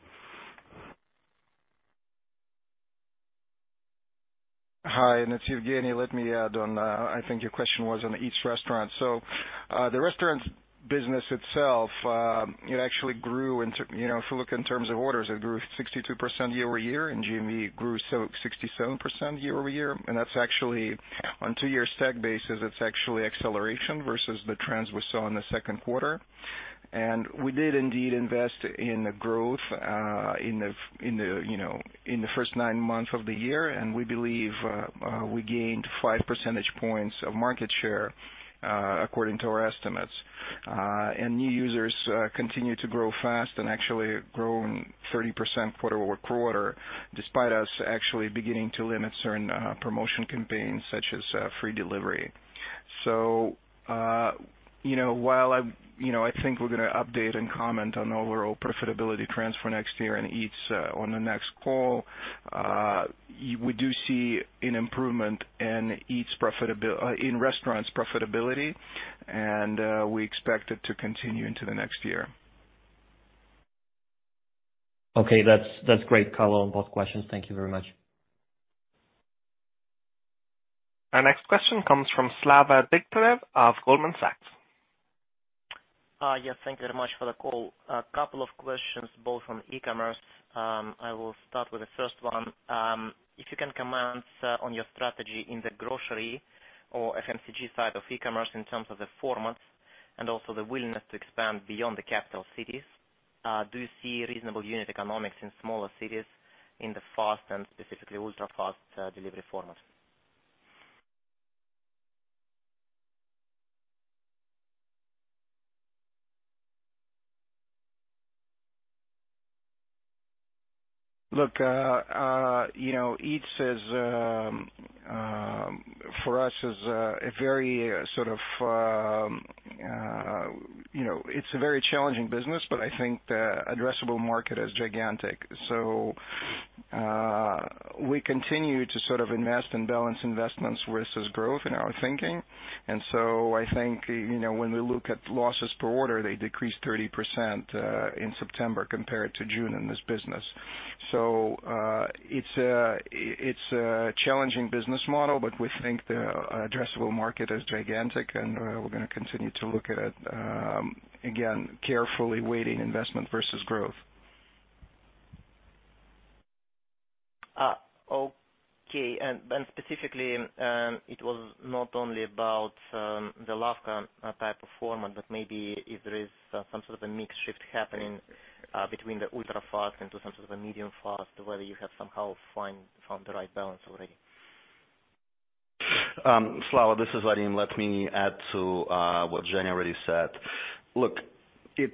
Speaker 7: Hi, it's Yevgeny. Let me add on. I think your question was on the Eats restaurant. The restaurant business itself, it actually grew. You know, if you look in terms of orders, it grew 62% year over year, and GMV grew 67% year over year. That's actually on two-year stack basis. It's actually acceleration versus the trends we saw in the second quarter. We did indeed invest in the growth, you know, in the first nine months of the year. We believe we gained five percentage points of market share according to our estimates. New users continue to grow fast and actually grown 30% quarter-over-quarter, despite us actually beginning to limit certain promotion campaigns such as free delivery. You know, while I'm, you know, I think we're gonna update and comment on overall profitability trends for next year and Eats, on the next call. we do see an improvement in Eats profitability, in restaurants' profitability, and we expect it to continue into the next year.
Speaker 11: Okay. That's great color on both questions. Thank you very much.
Speaker 1: Our next question comes from Slava Degtyarev of Goldman Sachs.
Speaker 12: Yes, thank you very much for the call. A couple of questions, both on e-commerce. I will start with the first one. If you can comment on your strategy in the grocery or FMCG side of e-commerce in terms of the formats and also the willingness to expand beyond the capital cities. Do you see reasonable unit economics in smaller cities in the fast and specifically ultra-fast delivery format?
Speaker 7: Look, you know, Eats is for us a very sort of you know it's a very challenging business, but I think the addressable market is gigantic. We continue to sort of invest in balanced investments versus growth in our thinking. I think, you know, when we look at losses per order, they decreased 30% in September compared to June in this business. It's a challenging business model, but we think the addressable market is gigantic, and we're gonna continue to look at it, again, carefully weighting investment versus growth.
Speaker 12: Okay. Specifically, it was not only about the last kind of type of format, but maybe if there is some sort of a mix shift happening between the ultra-fast into some sort of a medium fast, whether you have somehow found the right balance already.
Speaker 6: Slava, this is Vadim. Let me add to what Yevgeny already said. Look, it's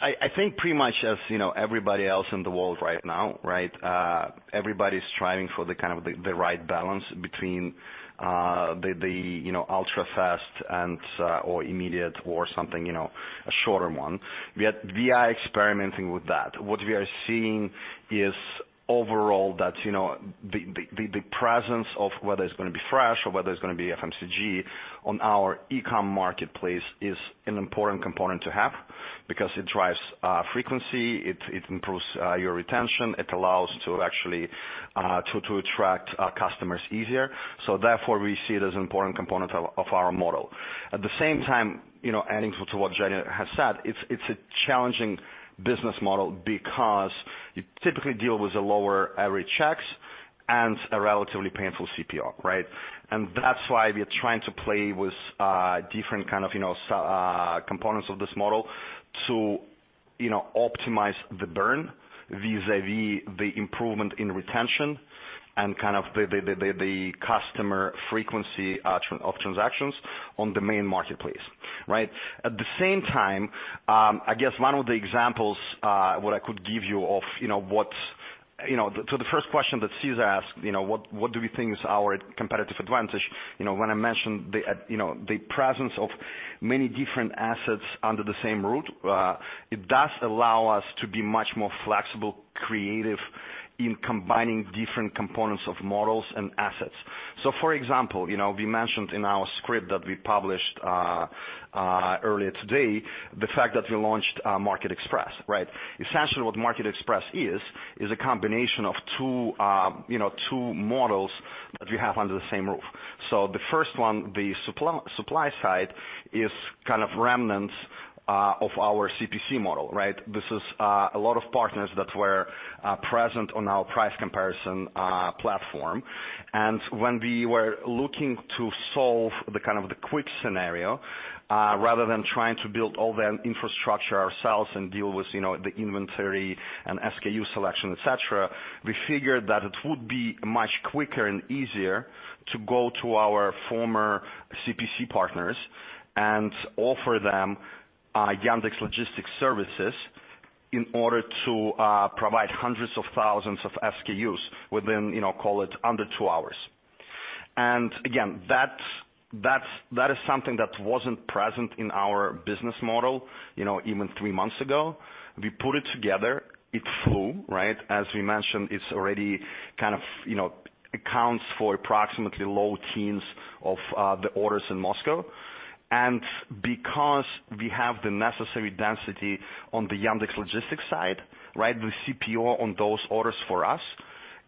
Speaker 6: I think pretty much as you know, everybody else in the world right now, right? Everybody's striving for the kind of right balance between the you know, ultra-fast and or immediate or something, you know, a shorter one. We are experimenting with that. What we are seeing is overall that you know, the presence of whether it's gonna be fresh or whether it's gonna be FMCG on our e-com marketplace is an important component to have because it drives frequency, it improves your retention, it allows to actually to attract customers easier. Therefore, we see it as an important component of our model. At the same time, you know, adding to what Yevgeny has said, it's a challenging business model because you typically deal with the lower average checks and a relatively painful CPO, right? That's why we are trying to play with different kind of, you know, components of this model to, you know, optimize the burn vis-à-vis the improvement in retention and kind of the customer frequency of transactions on the main marketplace, right? At the same time, I guess one of the examples what I could give you of, you know, you know, to the first question that Cesar asked, you know, what do we think is our competitive advantage? You know, when I mentioned that, you know, the presence of many different assets under the same roof, it does allow us to be much more flexible, creative in combining different components of models and assets. For example, you know, we mentioned in our script that we published earlier today, the fact that we launched Market Express, right? Essentially, what Market Express is a combination of two, you know, two models that we have under the same roof. The first one, the supply side is kind of remnants of our CPC model, right? This is a lot of partners that were present on our price comparison platform. When we were looking to solve the kind of the quick scenario, rather than trying to build all the infrastructure ourselves and deal with, you know, the inventory and SKU selection, et cetera, we figured that it would be much quicker and easier to go to our former CPC partners and offer them Yandex.Logistic services in order to provide hundreds of thousands of SKUs within, you know, call it under two hours. Again, that is something that wasn't present in our business model, you know, even three months ago. We put it together. It flew, right? As we mentioned, it's already kind of, you know, accounts for approximately low teens of the orders in Moscow. Because we have the necessary density on the Yandex.Logistics side, right? The CPO on those orders for us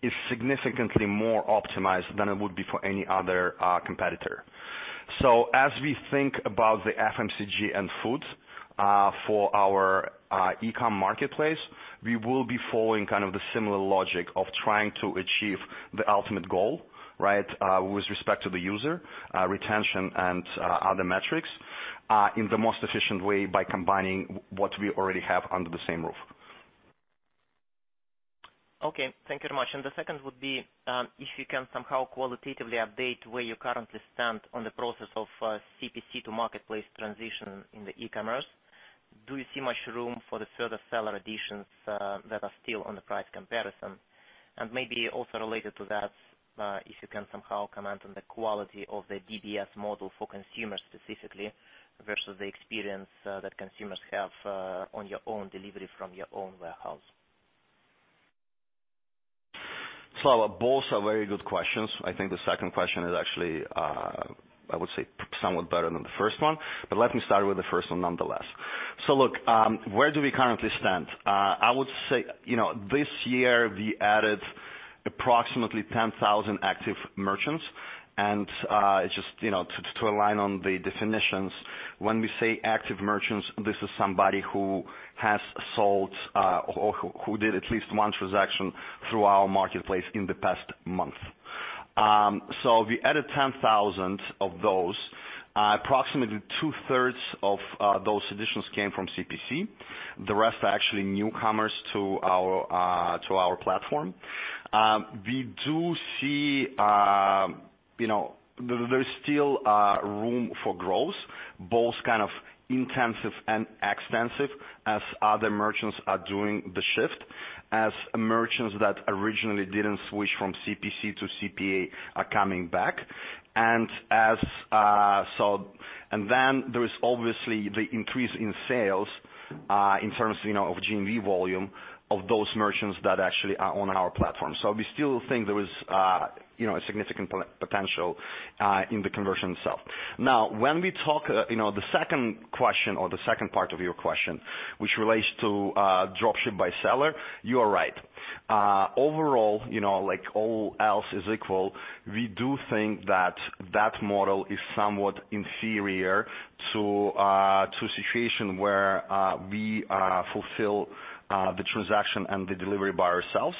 Speaker 6: is significantly more optimized than it would be for any other competitor. As we think about the FMCG and food for our e-com marketplace, we will be following kind of the similar logic of trying to achieve the ultimate goal, right? With respect to the user retention and other metrics in the most efficient way by combining what we already have under the same roof.
Speaker 12: Okay. Thank you very much. The second would be if you can somehow qualitatively update where you currently stand on the process of CPC to marketplace transition in the e-commerce. Do you see much room for the further seller additions that are still on the price comparison? Maybe also related to that, if you can somehow comment on the quality of the DBS model for consumers specifically versus the experience that consumers have on your own delivery from your own warehouse.
Speaker 6: Both are very good questions. I think the second question is actually, I would say somewhat better than the first one, but let me start with the first one nonetheless. Look, where do we currently stand? I would say, you know, this year we added approximately 10,000 active merchants. Just, you know, to align on the definitions, when we say active merchants, this is somebody who has sold, or who did at least one transaction through our marketplace in the past month. We added 10,000 of those. Approximately two-thirds of those additions came from CPC. The rest are actually newcomers to our platform. We do see, you know, there's still room for growth, both kind of intensive and extensive as other merchants are doing the shift, as merchants that originally didn't switch from CPC to CPA are coming back. There is obviously the increase in sales, you know, in terms of GMV volume of those merchants that actually are on our platform. We still think there is, you know, a significant potential in the conversion itself. Now, when we talk, you know, the second question or the second part of your question, which relates to Dropship by Seller, you are right. Overall, you know, like all else is equal, we do think that that model is somewhat inferior to a situation where we fulfill the transaction and the delivery by ourselves.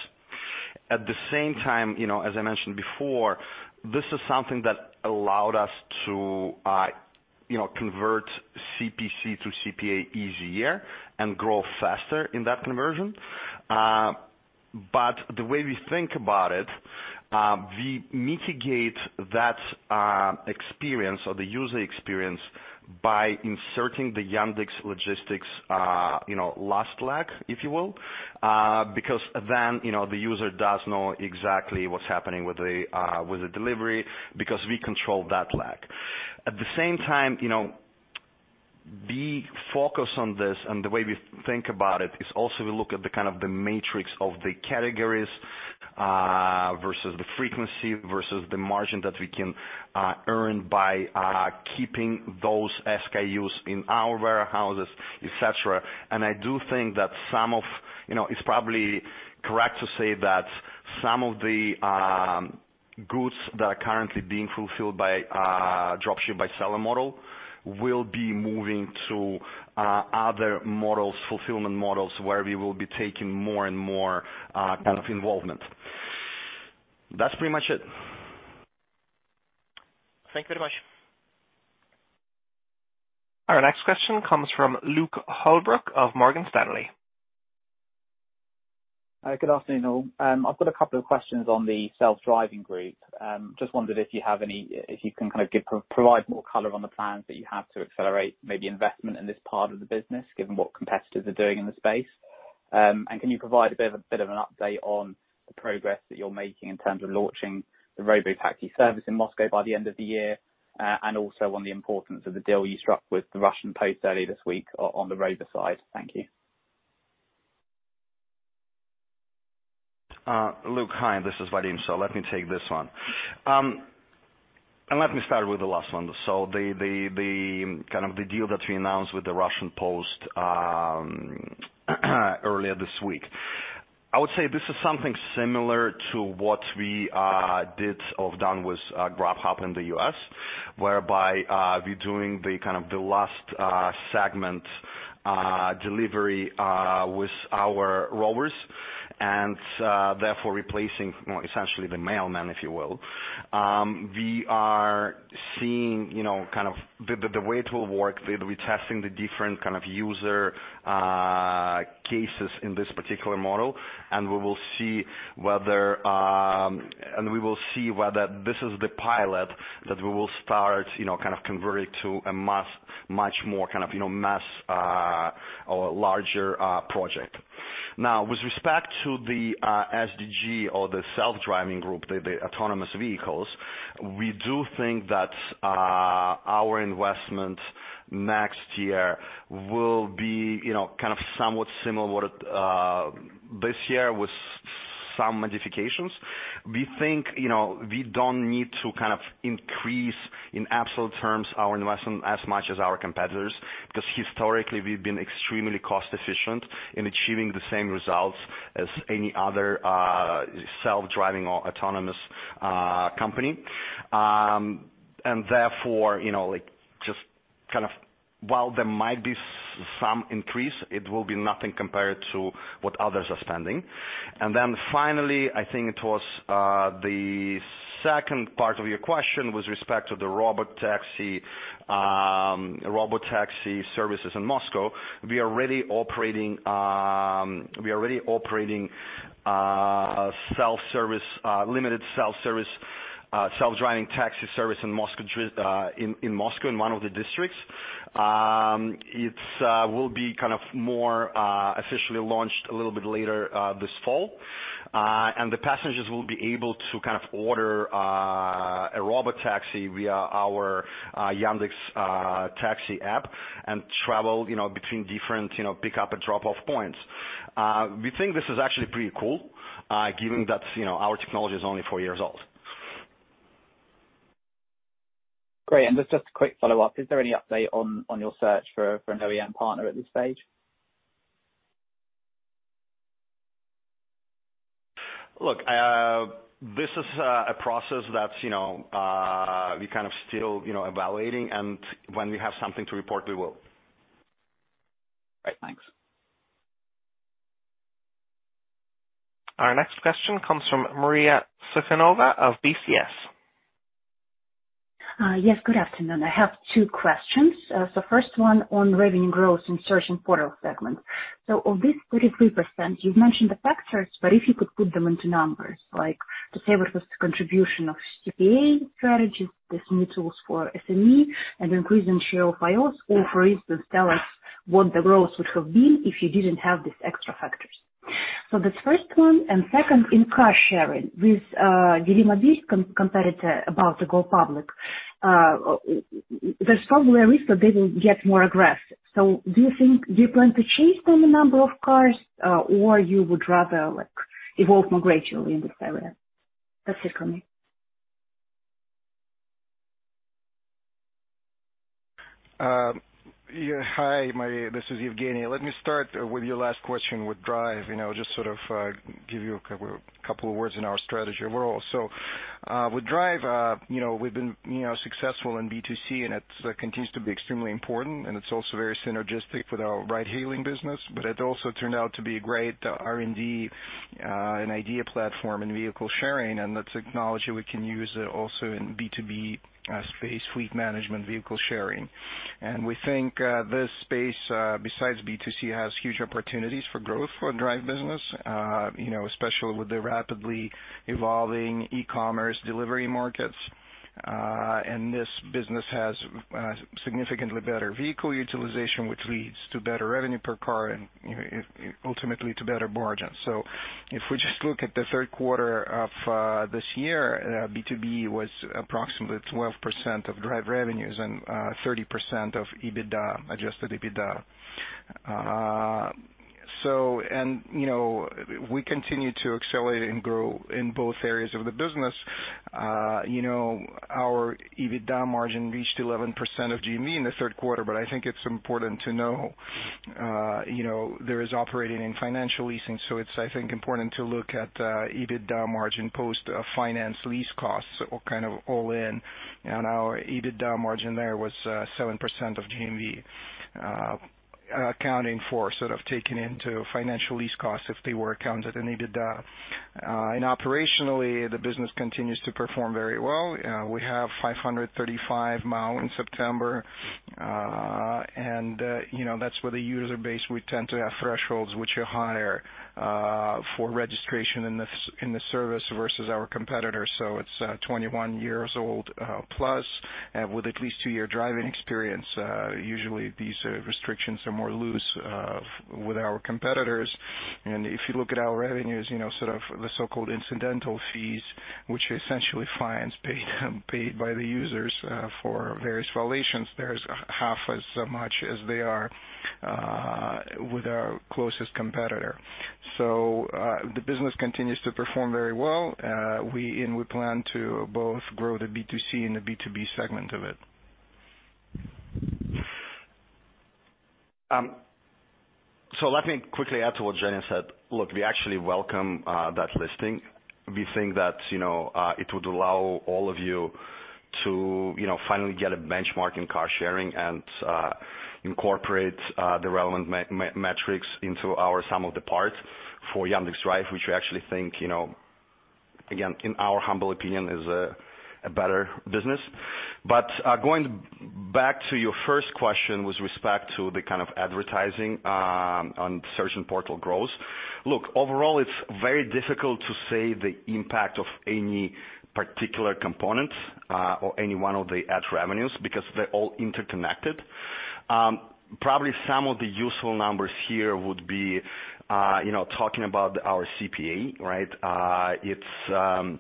Speaker 6: At the same time, you know, as I mentioned before, this is something that allowed us to, you know, convert CPC to CPA easier and grow faster in that conversion. The way we think about it, we mitigate that experience or the user experience by inserting the Yandex.Logistics, the last leg, if you will. Because then, you know, the user does know exactly what's happening with the delivery because we control that leg. At the same time, you know, we focus on this, and the way we think about it is also we look at the kind of matrix of the categories, versus the frequency, versus the margin that we can earn by keeping those SKUs in our warehouses, et cetera. I do think that some of, you know, it's probably correct to say that some of the goods that are currently being fulfilled by Dropship by Seller model will be moving to other models, fulfillment models, where we will be taking more and more kind of involvement. That's pretty much it.
Speaker 12: Thank you very much.
Speaker 1: Our next question comes from Luke Holbrook of Morgan Stanley.
Speaker 13: Good afternoon all. I've got a couple of questions on the self-driving group. Just wondered if you can provide more color on the plans that you have to accelerate maybe investment in this part of the business, given what competitors are doing in the space. Can you provide a bit of an update on the progress that you're making in terms of launching the robotaxi service in Moscow by the end of the year, and also on the importance of the deal you struck with the Russian Post early this week on the rider side? Thank you.
Speaker 6: Luke, hi, this is Vadim. Let me take this one. Let me start with the last one. The kind of deal that we announced with the Russian Post earlier this week. I would say this is something similar to what we did or done with Grubhub in the U.S., whereby we're doing the kind of last segment delivery with our rovers and therefore replacing, well, essentially the mailman, if you will. We are seeing, you know, kind of the way it will work, we're testing the different kind of user cases in this particular model, and we will see whether. We will see whether this is the pilot that we will start, you know, kind of converting to a mass, much more kind of, you know, mass or larger project. Now, with respect to the SDG or the Self-Driving Group, the autonomous vehicles, we do think that our investment next year will be, you know, kind of somewhat similar with this year with some modifications. We think, you know, we don't need to kind of increase in absolute terms our investment as much as our competitors, because historically, we've been extremely cost-efficient in achieving the same results as any other self-driving or autonomous company. Therefore, you know, like, just kind of while there might be some increase, it will be nothing compared to what others are spending. Finally, I think it was the second part of your question with respect to the robotaxi services in Moscow. We are already operating limited self-driving taxi service in Moscow in one of the districts. It will be kind of more officially launched a little bit later this fall. The passengers will be able to kind of order a robotaxi via our Yandex.Taxi app and travel, you know, between different, you know, pick-up and drop-off points. We think this is actually pretty cool given that, you know, our technology is only four years old.
Speaker 13: Great. Just a quick follow-up. Is there any update on your search for an OEM partner at this stage?
Speaker 6: Look, this is a process that's, you know, we kind of still, you know, evaluating, and when we have something to report, we will.
Speaker 13: Right. Thanks.
Speaker 1: Our next question comes from Maria Sukhanova of BCS.
Speaker 14: Yes, good afternoon. I have two questions. First one on revenue growth in search and portal segments. Of this 33%, you've mentioned the factors, but if you could put them into numbers, like to say what was the contribution of CPA strategies with new tools for SME and increasing share of iOS or for instance tell us what the growth would have been if you didn't have these extra factors. That's first one, and second, in car sharing with Delimobil competitor about to go public, there's probably a risk that they will get more aggressive. Do you plan to chase them on the number of cars, or you would rather like evolve more gradually in this area? That's it for me.
Speaker 7: Hi, Maria, this is Yevgeny. Let me start with your last question with Drive. You know, just sort of give you a couple of words in our strategy overall. With Drive, you know, we've been, you know, successful in B2C, and it continues to be extremely important, and it's also very synergistic with our ride-hailing business. But it also turned out to be a great R&D and idea platform in vehicle sharing, and that's technology we can use also in B2B space, fleet management, vehicle sharing. We think this space, besides B2C, has huge opportunities for growth for Drive business, you know, especially with the rapidly evolving e-commerce delivery markets. This business has significantly better vehicle utilization, which leads to better revenue per car and ultimately to better margins. If we just look at the third quarter of this year, B2B was approximately 12% of Drive revenues and 30% of EBITDA, adjusted EBITDA. You know, we continue to accelerate and grow in both areas of the business. You know, our EBITDA margin reached 11% of GMV in the third quarter, but I think it's important to know, you know, there is operating and financial leasing, so it's, I think, important to look at EBITDA margin post-finance lease costs or kind of all in. Our EBITDA margin there was 7% of GMV. Accounting for sort of taking into financial lease costs if they were accounted and needed, and operationally the business continues to perform very well. We have 535 mi in September. You know, that's where the user base, we tend to have thresholds which are higher for registration in the service versus our competitors. It's 21 years old plus with at least two-year driving experience. Usually these restrictions are more loose with our competitors. If you look at our revenues, you know, sort of the so-called incidental fees, which are essentially fines paid by the users for various violations, there's half as much as they are with our closest competitor. The business continues to perform very well. We plan to both grow the B2C and the B2B segment of it.
Speaker 6: Let me quickly add to what Yevgeny said. Look, we actually welcome that listing. We think that, you know, it would allow all of you to, you know, finally get a benchmark in car sharing and incorporate the relevant metrics into our sum of the parts for Yandex.Drive, which we actually think, you know, again, in our humble opinion, is a better business. Going back to your first question with respect to the kind of advertising on search and portal growth. Look, overall it's very difficult to say the impact of any particular component or any one of the ad revenues because they're all interconnected. Probably some of the useful numbers here would be, you know, talking about our CPA, right? It's our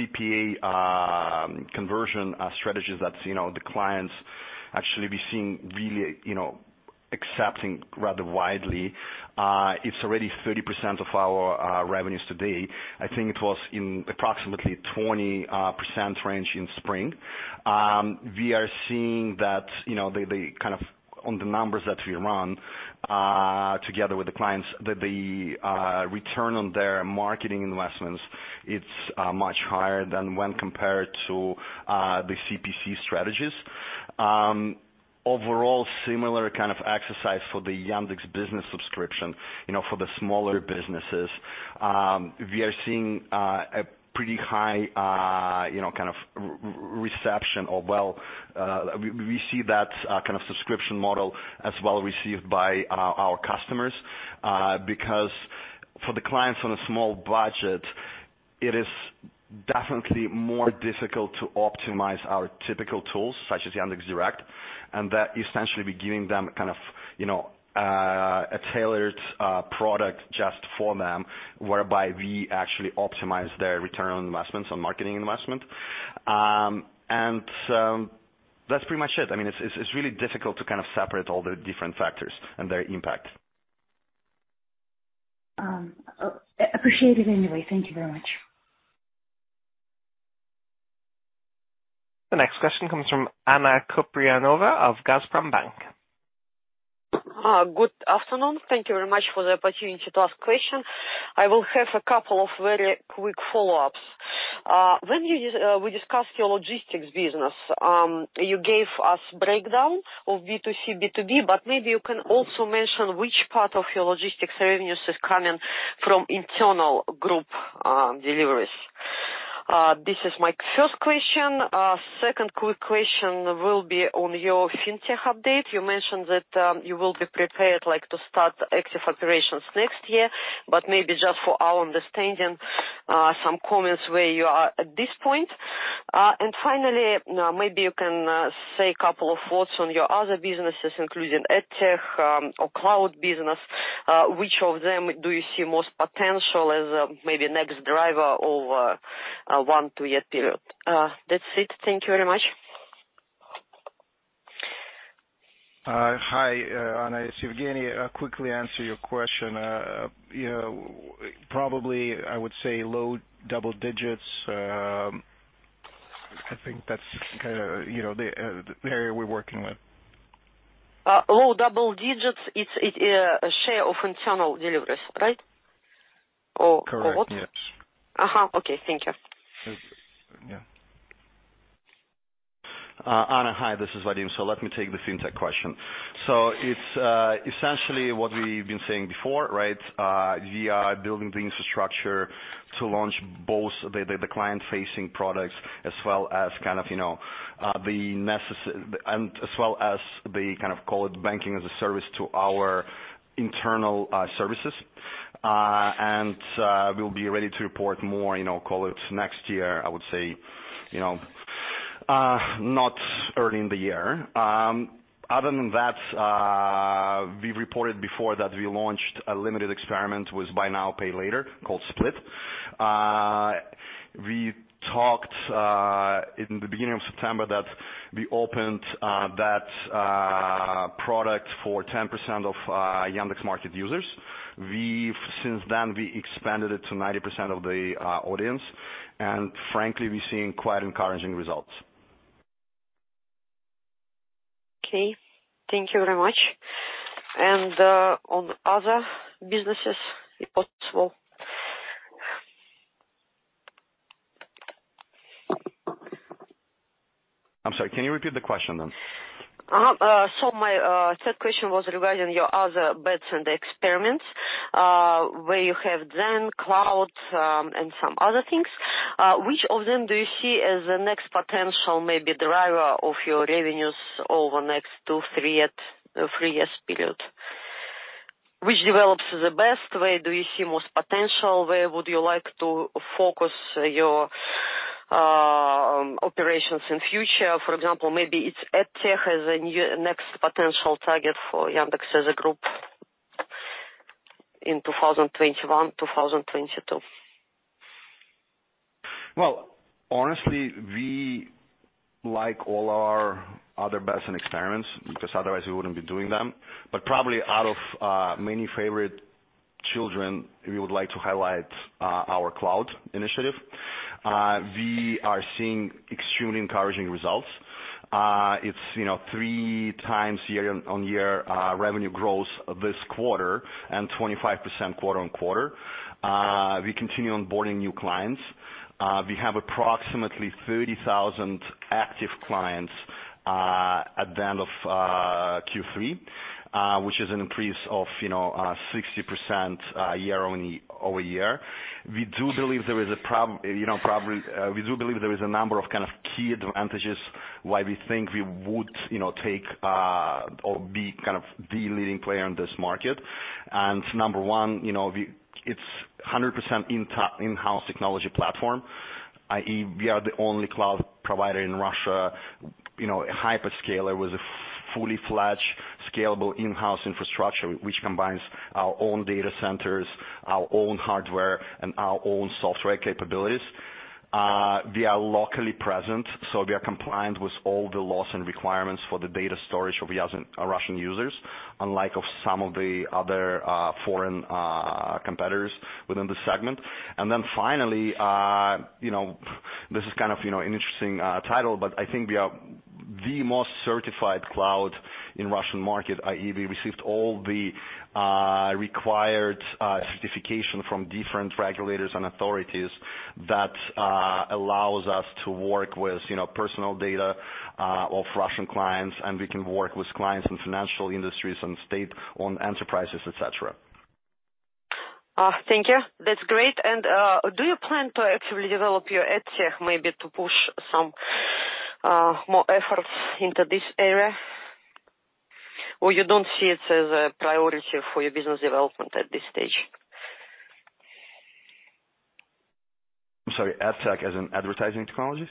Speaker 6: CPA conversion strategies that, you know, the clients actually we're seeing really, you know, accepting rather widely. It's already 30% of our revenues today. I think it was in approximately 20% range in spring. We are seeing that, you know, the kind of on the numbers that we run together with the clients, that the return on their marketing investments, it's much higher than when compared to the CPC strategies. Overall similar kind of exercise for the Yandex Business subscription, you know, for the smaller businesses. We are seeing a pretty high, you know, kind of reception or well, we see that kind of subscription model as well received by our customers. Because for the clients on a small budget, it is definitely more difficult to optimize our typical tools such as Yandex.Direct, and that essentially we're giving them kind of, you know, a tailored product just for them, whereby we actually optimize their return on investments, on marketing investment. That's pretty much it. I mean, it's really difficult to kind of separate all the different factors and their impact.
Speaker 14: Appreciate it anyway. Thank you very much.
Speaker 1: The next question comes from Anna Kupriyanova of Gazprombank.
Speaker 15: Good afternoon. Thank you very much for the opportunity to ask question. I will have a couple of very quick follow-ups. When we discussed your logistics business, you gave us breakdown of B2C, B2B, but maybe you can also mention which part of your logistics revenues is coming from internal group deliveries. This is my first question. Second quick question will be on your Fintech update. You mentioned that you will be prepared, like, to start active operations next year, but maybe just for our understanding, some comments where you are at this point. Finally, maybe you can say a couple of thoughts on your other businesses, including EdTech or cloud business. Which of them do you see most potential as maybe next driver over a one, two-year period? That's it. Thank you very much.
Speaker 7: Hi, Anna. It's Yevgeny. I'll quickly answer your question. You know, probably I would say low double digits. I think that's kinda, you know, the area we're working with.
Speaker 15: Low double digits, its share of internal deliveries, right?
Speaker 7: Correct.
Speaker 15: What?
Speaker 7: Yes.
Speaker 15: Okay, thank you.
Speaker 7: Yeah.
Speaker 6: Anna, hi, this is Vadim. Let me take the Fintech question. It's essentially what we've been saying before, right? We are building the infrastructure to launch both the client-facing products as well as kind of, you know, and as well as the kind of, call it banking as a service to our internal services. We'll be ready to report more, you know, call it next year, I would say, you know. Not early in the year. Other than that, we reported before that we launched a limited experiment with buy now, pay later, called Split. We talked in the beginning of September that we opened that product for 10% of Yandex market users. Since then, we expanded it to 90% of the audience, and frankly, we're seeing quite encouraging results.
Speaker 15: Okay. Thank you very much. On other businesses, if possible?
Speaker 6: I'm sorry, can you repeat the question then?
Speaker 15: My third question was regarding your other bets and experiments, where you have Zen, Cloud, and some other things. Which of them do you see as the next potential maybe driver of your revenues over next two, three years period? Which develops the best way? Do you see most potential? Where would you like to focus your operations in future? For example, maybe it's EdTech as a next potential target for Yandex as a group in 2021, 2022.
Speaker 6: Well, honestly, we like all our other bets and experiments because otherwise we wouldn't be doing them. Probably out of many favorite children, we would like to highlight our cloud initiative. We are seeing extremely encouraging results. It's 3x year-over-year revenue growth this quarter and 25% quarter-over-quarter. We continue onboarding new clients. We have approximately 30,000 active clients at the end of Q3, which is an increase of 60% year-over-year. We do believe there is probably a number of key advantages why we think we would take or be the leading player in this market. Number one, you know, it's 100% in-house technology platform, i.e. we are the only cloud provider in Russia, you know, a hyperscaler with a fully fledged, scalable in-house infrastructure, which combines our own data centers, our own hardware, and our own software capabilities. We are locally present, so we are compliant with all the laws and requirements for the data storage of Russian users, unlike some of the other foreign competitors within the segment. Then finally, you know, this is kind of, you know, an interesting title, but I think we are the most certified cloud in Russian market. I.e., we received all the required certification from different regulators and authorities that allows us to work with, you know, personal data of Russian clients, and we can work with clients in financial industries and state-owned enterprises, et cetera.
Speaker 15: Thank you. That's great. Do you plan to actually develop your EdTech maybe to push some more efforts into this area? Or you don't see it as a priority for your business development at this stage?
Speaker 6: I'm sorry, Ad Tech as in advertising technologies?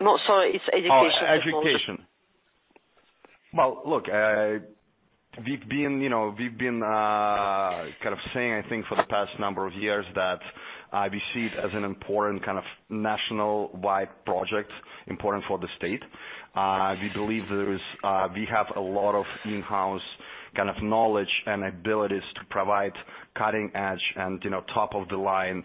Speaker 15: No, sorry, it's education.
Speaker 6: Oh, education. Well, look, we've been, you know, kind of saying, I think, for the past number of years that we see it as an important kind of nationwide project, important for the state. We believe there is we have a lot of in-house kind of knowledge and abilities to provide cutting-edge and, you know, top of the line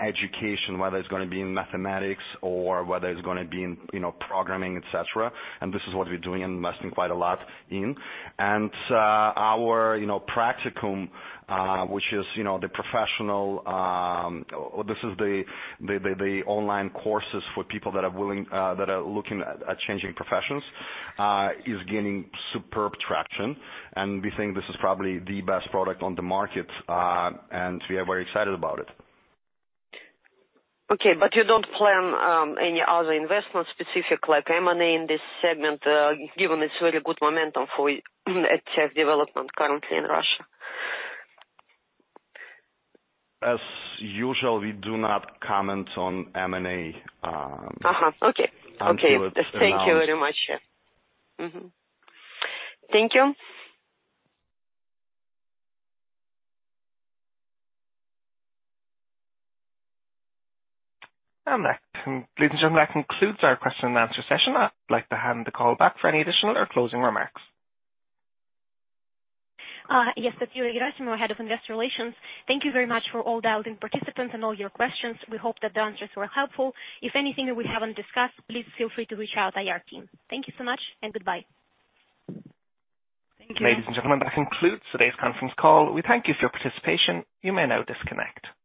Speaker 6: education, whether it's gonna be in mathematics or whether it's gonna be in, you know, programming, et cetera. This is what we're doing and investing quite a lot in. Our, you know, practicum, which is, you know, the professional. This is the online courses for people that are willing that are looking at changing professions is gaining superb traction. We think this is probably the best product on the market, and we are very excited about it.
Speaker 15: Okay, you don't plan any other investment-specific like M&A in this segment, given its really good momentum for EdTech development currently in Russia?
Speaker 6: As usual, we do not comment on M&A.
Speaker 15: Okay.
Speaker 6: We would announce.
Speaker 15: Thank you very much. Thank you.
Speaker 1: Ladies and gentlemen, that concludes our question and answer session. I'd like to hand the call back for any additional or closing remarks.
Speaker 2: Yes. Yulia Gerasimova, Head of Investor Relations. Thank you very much for all dialed-in participants and all your questions. We hope that the answers were helpful. If there's anything that we haven't discussed, please feel free to reach our IR team. Thank you so much and goodbye.
Speaker 4: Thank you.
Speaker 1: Ladies and gentlemen, that concludes today's conference call. We thank you for your participation. You may now disconnect.